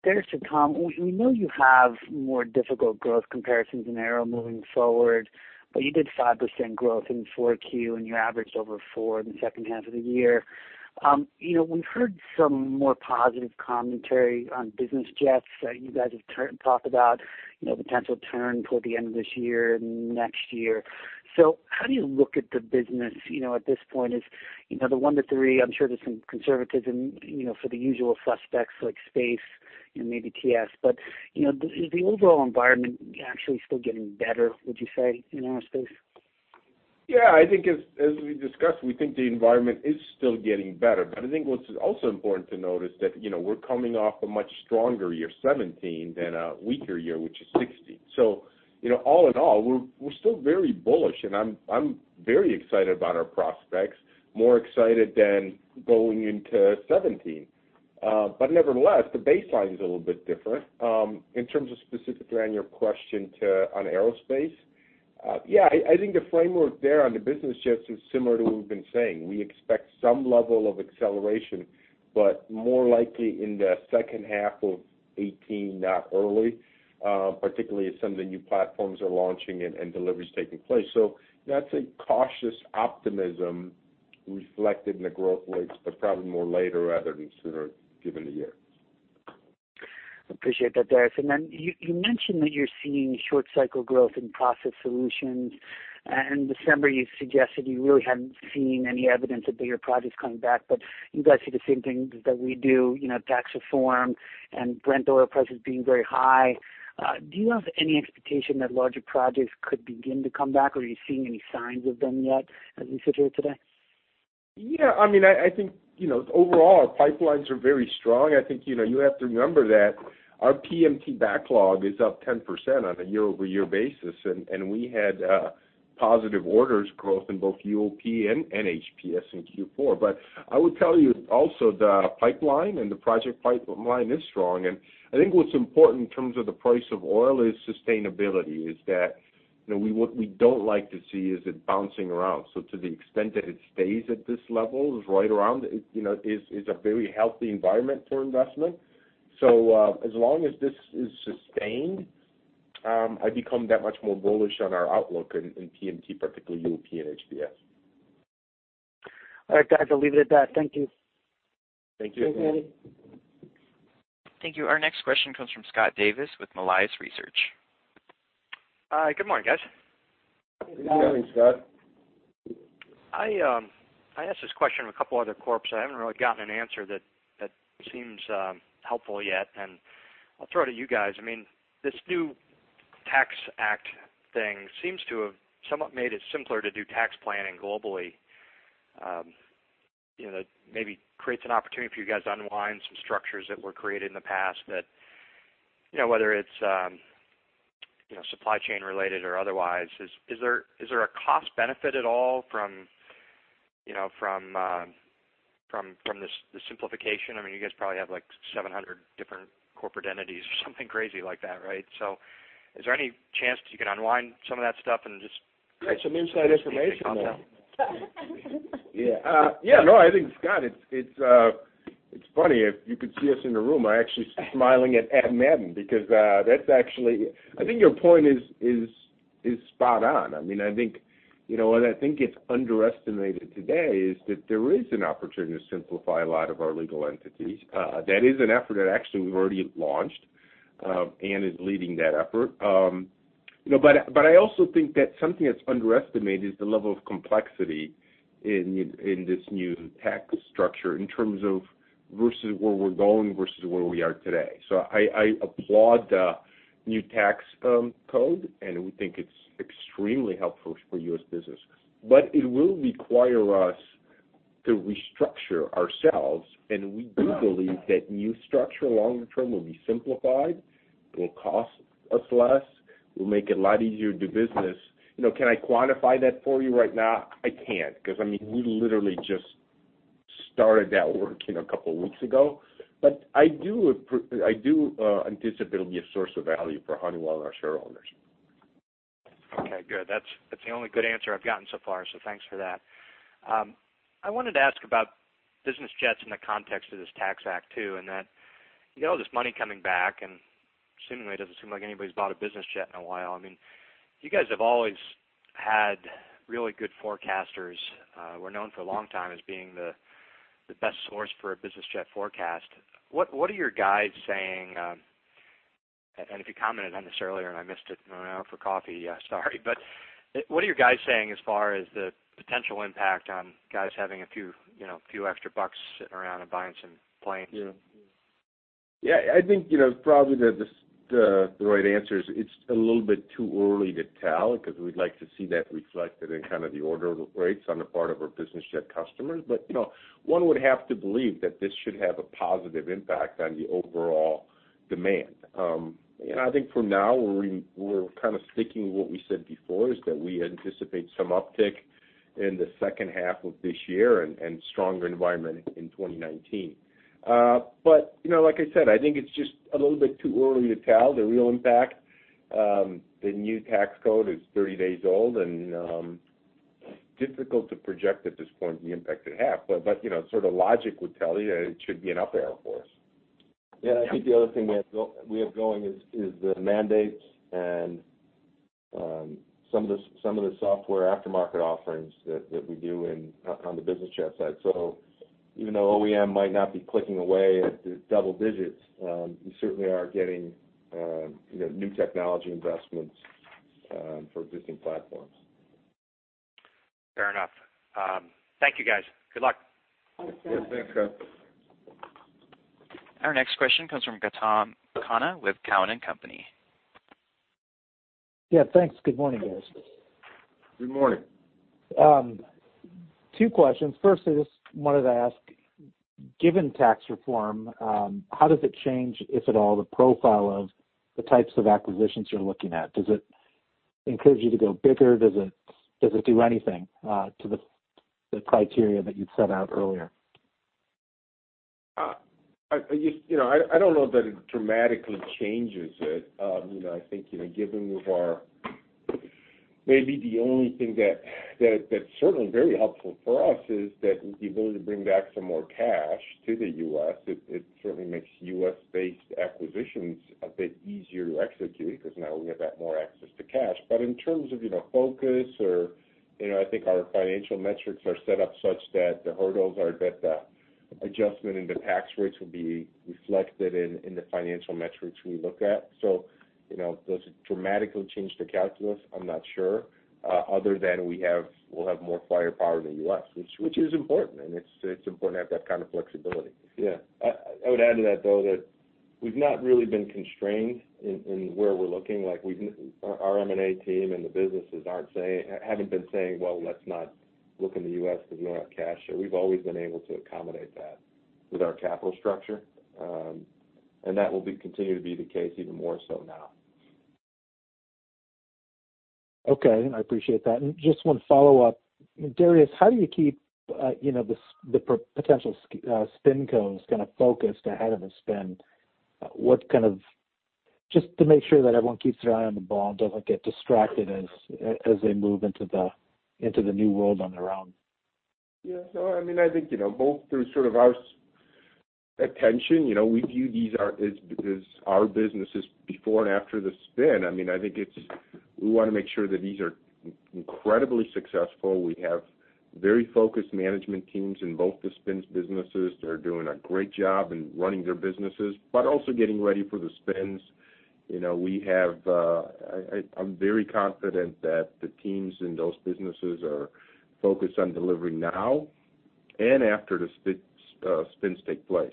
we know you have more difficult growth comparisons in Aero moving forward, but you did 5% growth in Q4 and you averaged over four in the second half of the year. We've heard some more positive commentary on business jets. You guys have talked about the potential turn toward the end of this year and next year. How do you look at the business at this point? The one to three, I'm sure there's some conservatism for the usual suspects, like space and maybe TS, is the overall environment actually still getting better, would you say, in aerospace?
Yeah. As we discussed, we think the environment is still getting better. I think what's also important to note is that we're coming off a much stronger year 2017 than a weaker year, which is 2016. All in all, we're still very bullish, and I'm very excited about our prospects, more excited than going into 2017. Nevertheless, the baseline is a little bit different. In terms of specifically on your question on aerospace, yeah, I think the framework there on the business jets is similar to what we've been saying. We expect some level of acceleration, but more likely in the second half of 2018, not early, particularly as some of the new platforms are launching and deliveries taking place. That's a cautious optimism reflected in the growth rates, but probably more later rather than sooner given the year.
Appreciate that, Darius. You mentioned that you're seeing short cycle growth in Process Solutions. In December, you suggested you really hadn't seen any evidence of bigger projects coming back. You guys see the same things that we do, tax reform and Brent oil prices being very high. Do you have any expectation that larger projects could begin to come back? Are you seeing any signs of them yet as we sit here today?
Yeah, I think, overall, our pipelines are very strong. I think you have to remember that our PMT backlog is up 10% on a year-over-year basis, and we had positive orders growth in both UOP and HPS in Q4. I would tell you also the pipeline and the project pipeline is strong, and I think what's important in terms of the price of oil is sustainability, is that what we don't like to see is it bouncing around. To the extent that it stays at this level, is right around, is a very healthy environment for investment. As long as this is sustained, I become that much more bullish on our outlook in PMT, particularly UOP and HPS.
All right, guys, I'll leave it at that. Thank you.
Thank you.
Thank you. Our next question comes from Scott Davis with Melius Research.
Good morning, guys.
Good morning, Scott.
I asked this question of a couple other corps, but I haven't really gotten an answer that seems helpful yet, and I'll throw it to you guys. This new tax act thing seems to have somewhat made it simpler to do tax planning globally. Maybe creates an opportunity for you guys to unwind some structures that were created in the past that, whether it's supply chain related or otherwise, is there a cost benefit at all from the simplification? You guys probably have 700 different corporate entities or something crazy like that, right? Is there any chance that you can unwind some of that stuff and just.
Some inside information there. I think, Scott, it's funny. If you could see us in the room, I'm actually smiling at Anne Madden. I think your point is spot on. What I think is underestimated today is that there is an opportunity to simplify a lot of our legal entities. That is an effort that actually we've already launched. Anne is leading that effort. I also think that something that's underestimated is the level of complexity in this new tax structure in terms of versus where we're going versus where we are today. I applaud the new tax code, and we think it's extremely helpful for U.S. business. It will require us to restructure ourselves, and we do believe that new structure longer-term will be simplified. It will cost us less. We'll make it a lot easier to do business. Can I quantify that for you right now? I can't, because we literally just started that work a couple of weeks ago. I do anticipate it'll be a source of value for Honeywell and our shareholders.
Okay, good. That's the only good answer I've gotten so far, so thanks for that. I wanted to ask about business jets in the context of this tax act, too, and that you get all this money coming back, and seemingly it doesn't seem like anybody's bought a business jet in a while. You guys have always had really good forecasters, were known for a long time as being the best source for a business jet forecast. What are your guys saying, and if you commented on this earlier and I missed it, I went out for coffee, sorry, but what are your guys saying as far as the potential impact on guys having a few extra bucks sitting around and buying some planes?
I think, probably the right answer is it's a little bit too early to tell because we'd like to see that reflected in the order rates on the part of our business jet customers. One would have to believe that this should have a positive impact on the overall demand. I think for now we're kind of sticking to what we said before, is that we anticipate some uptick in the second half of this year and stronger environment in 2019. Like I said, I think it's just a little bit too early to tell the real impact. The new tax code is 30 days old, and difficult to project at this point the impact it'll have. Logic would tell you that it should be an up arrow for us.
I think the other thing we have going is the mandates and some of the software aftermarket offerings that we do on the business jet side. Even though OEM might not be clicking away at double digits, we certainly are getting new technology investments for existing platforms.
Fair enough. Thank you, guys. Good luck.
Thanks, Scott.
Our next question comes from Gautam Khanna with Cowen and Company.
Thanks. Good morning, guys.
Good morning.
Two questions. First, I just wanted to ask, given tax reform, how does it change, if at all, the profile of the types of acquisitions you're looking at? Does it encourage you to go bigger? Does it do anything to the criteria that you'd set out earlier?
I don't know that it dramatically changes it. I think given Maybe the only thing that's certainly very helpful for us is that the ability to bring back some more cash to the U.S., it certainly makes U.S.-based acquisitions a bit easier to execute, because now we have that more access to cash. In terms of focus I think our financial metrics are set up such that the hurdles are that the adjustment in the tax rates will be reflected in the financial metrics we look at. Does it dramatically change the calculus? I'm not sure, other than we'll have more firepower in the U.S., which is important, and it's important to have that kind of flexibility.
I would add to that, though, that we've not really been constrained in where we're looking. Our M&A team and the businesses haven't been saying, "Well, let's not look in the U.S. because we don't have cash." We've always been able to accommodate that with our capital structure. That will continue to be the case even more so now.
I appreciate that. Just one follow-up. Darius, how do you keep the potential spincos focused ahead of the spin? Just to make sure that everyone keeps their eye on the ball and doesn't get distracted as they move into the new world on their own.
I think both through our attention, we view these as our businesses before and after the spin. I think we want to make sure that these are incredibly successful. We have very focused management teams in both the spin's businesses that are doing a great job in running their businesses, but also getting ready for the spins. I'm very confident that the teams in those businesses are focused on delivering now and after the spins take place.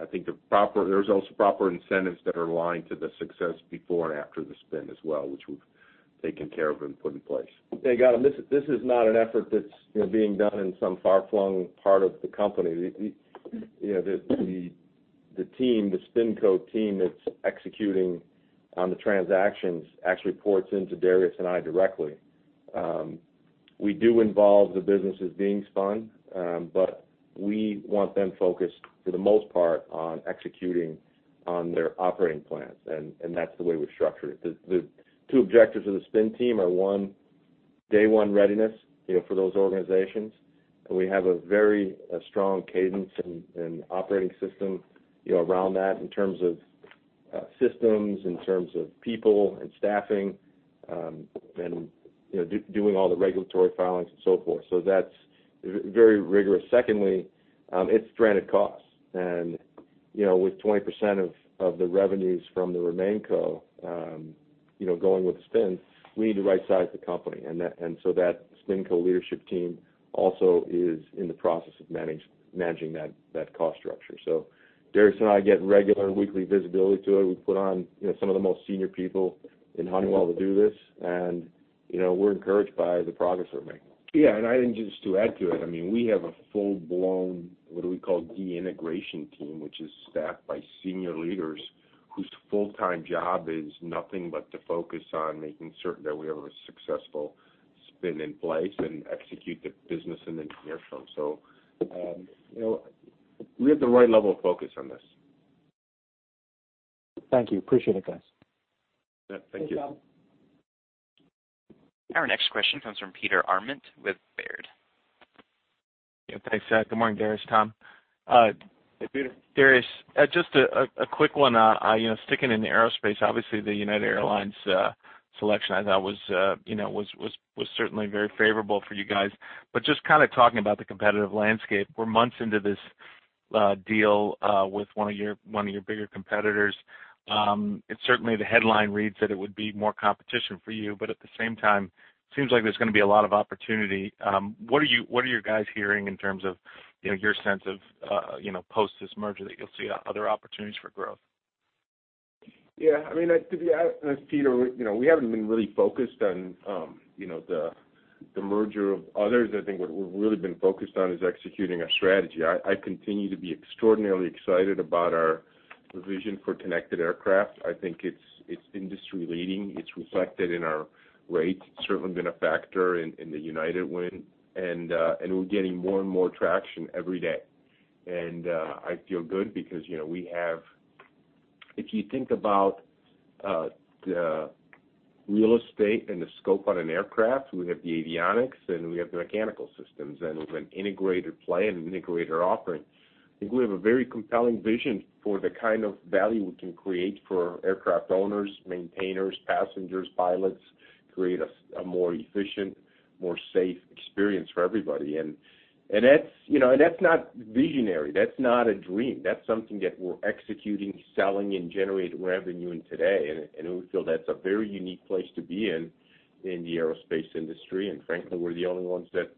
I think there's also proper incentives that are aligned to the success before and after the spin as well, which we've taken care of and put in place.
Gautam, this is not an effort that's being done in some far-flung part of the company. The SpinCo team that's executing on the transactions actually reports into Darius and I directly. We do involve the businesses being spun, but we want them focused for the most part on executing on their operating plans, and that's the way we've structured it. The two objectives of the spin team are one, day one readiness for those organizations. We have a very strong cadence and operating system around that in terms of systems, in terms of people and staffing, and doing all the regulatory filings and so forth. That's very rigorous. Secondly, it's stranded costs. With 20% of the revenues from the RemainCo going with the spin, we need to right size the company, and so that SpinCo leadership team also is in the process of managing that cost structure. Darius and I get regular weekly visibility to it. We put on some of the most senior people in Honeywell to do this, and we're encouraged by the progress we're making.
I think just to add to it, we have a full-blown, what do we call de-integration team, which is staffed by senior leaders whose full-time job is nothing but to focus on making certain that we have a successful spin in place and execute the business and integration. We have the right level of focus on this.
Thank you. Appreciate it, guys.
Thank you.
Thanks, Gautam.
Our next question comes from Peter Arment with Baird.
Yeah, thanks. Good morning, Darius, Tom.
Hey, Peter.
Darius, just a quick one, sticking in the aerospace, obviously the United Airlines selection, I thought was certainly very favorable for you guys. Just kind of talking about the competitive landscape, we're months into this deal with one of your bigger competitors. Certainly the headline reads that it would be more competition for you, at the same time, seems like there's going to be a lot of opportunity. What are you guys hearing in terms of your sense of post this merger that you'll see other opportunities for growth?
To be honest, Peter, we haven't been really focused on the merger of others. I think what we've really been focused on is executing our strategy. I continue to be extraordinarily excited about our vision for Connected Aircraft. I think it's industry leading. It's reflected in our rates. Certainly been a factor in the United win, we're getting more and more traction every day. I feel good because if you think about the real estate and the scope on an aircraft, we have the avionics and we have the mechanical systems, and with an integrated play and integrated offering, I think we have a very compelling vision for the kind of value we can create for aircraft owners, maintainers, passengers, pilots, create a more efficient, more safe experience for everybody. That's not visionary. That's not a dream. That's something that we're executing, selling, and generating revenue in today. We feel that's a very unique place to be in the aerospace industry, frankly, we're the only ones that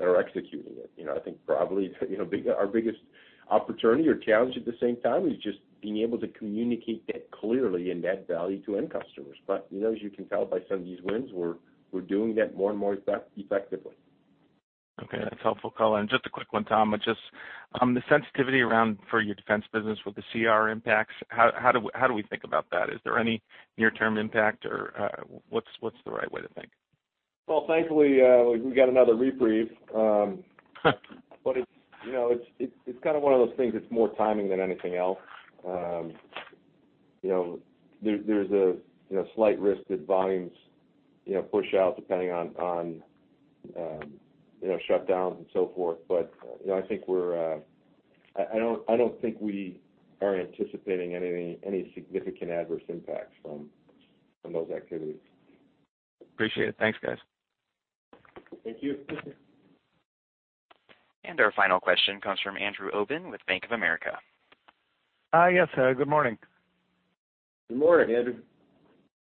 are executing it. I think probably our biggest opportunity or challenge at the same time is just being able to communicate that clearly and add value to end customers. As you can tell by some of these wins, we're doing that more and more effectively.
Okay, that's helpful, Colin. Just a quick one, Tom. The sensitivity around for your defense business with the CR impacts, how do we think about that? Is there any near-term impact or what's the right way to think?
Thankfully, we got another reprieve. It's one of those things, it's more timing than anything else. There's a slight risk that volumes push out depending on shutdowns and so forth. I don't think we are anticipating any significant adverse impacts from those activities.
Appreciate it. Thanks, guys.
Thank you.
Our final question comes from Andrew Obin with Bank of America.
Yes. Good morning.
Good morning, Andrew.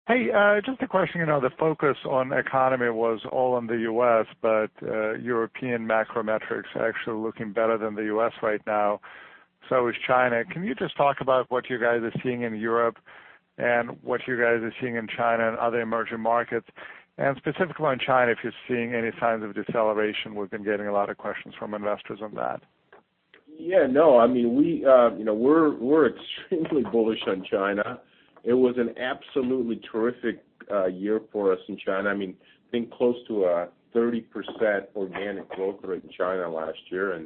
Hey, just a question. The focus on economy was all on the U.S., European macro metrics are actually looking better than the U.S. right now. Is China. Can you just talk about what you guys are seeing in Europe and what you guys are seeing in China and other emerging markets? And specifically on China, if you're seeing any signs of deceleration. We've been getting a lot of questions from investors on that.
Yeah. No, we're extremely bullish on China. It was an absolutely terrific year for us in China. I think close to a 30% organic growth rate in China last year,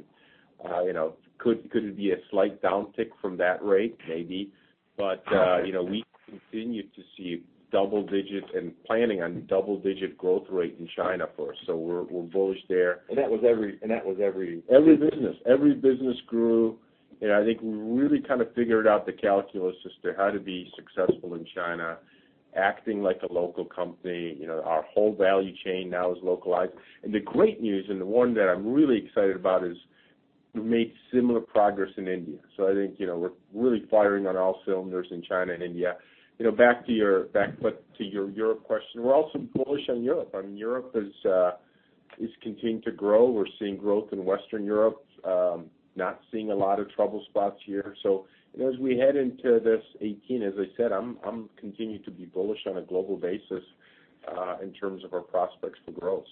could it be a slight downtick from that rate? Maybe. We continue to see double digits and planning on double-digit growth rate in China for us. We're bullish there. And that was every- Every business. Every business grew. I think we really kind of figured out the calculus as to how to be successful in China, acting like a local company. Our whole value chain now is localized. The great news, and the one that I'm really excited about is, we made similar progress in India. I think, we're really firing on all cylinders in China and India. Back to your Europe question, we're also bullish on Europe. Europe is continuing to grow. We're seeing growth in Western Europe, not seeing a lot of trouble spots here. As we head into this 2018, as I said, I continue to be bullish on a global basis, in terms of our prospects for growth.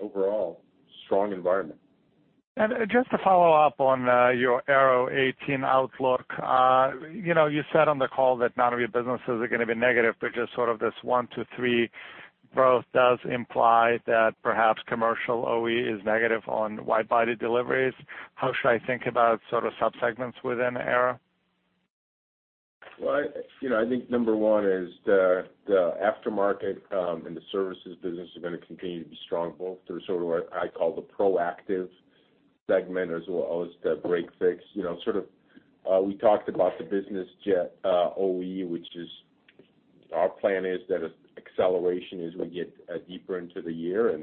Overall, strong environment.
Just to follow up on your Aero 2018 outlook. You said on the call that none of your businesses are going to be negative, but just sort of this 1%-3% growth does imply that perhaps commercial OE is negative on wide-body deliveries. How should I think about sort of subsegments within Aero?
Well, I think number 1 is the aftermarket and the services business are going to continue to be strong, both through sort of what I call the proactive segment, as well as the break-fix. We talked about the business jet OE, which our plan is that acceleration as we get deeper into the year.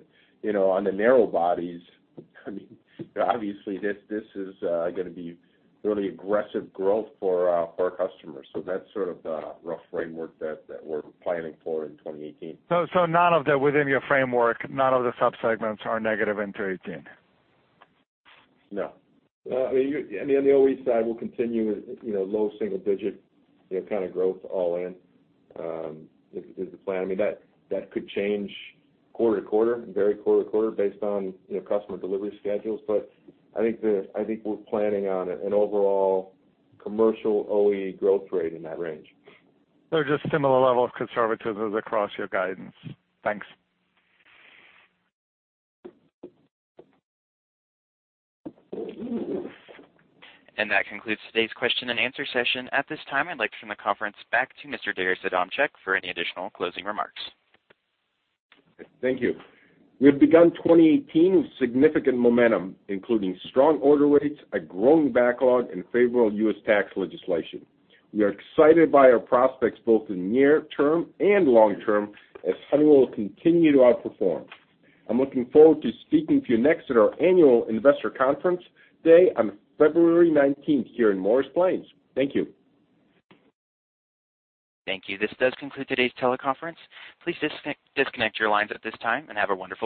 On the narrow bodies, obviously, this is going to be really aggressive growth for our customers. That's sort of the rough framework that we're planning for in 2018.
within your framework, none of the subsegments are negative into 2018.
No. On the OE side, we'll continue low single-digit kind of growth all-in, is the plan. That could change quarter-to-quarter, and vary quarter-to-quarter based on customer delivery schedules. I think we're planning on an overall commercial OE growth rate in that range.
just similar level of conservatism across your guidance. Thanks.
That concludes today's question and answer session. At this time, I'd like to turn the conference back to Mr. Darius Adamczyk for any additional closing remarks.
Thank you. We've begun 2018 with significant momentum, including strong order rates, a growing backlog, and favorable U.S. tax legislation. We are excited by our prospects both in near term and long term, as Honeywell will continue to outperform. I'm looking forward to speaking to you next at our annual Investor Day on February 19th, here in Morris Plains. Thank you.
Thank you. This does conclude today's teleconference. Please disconnect your lines at this time and have a wonderful day.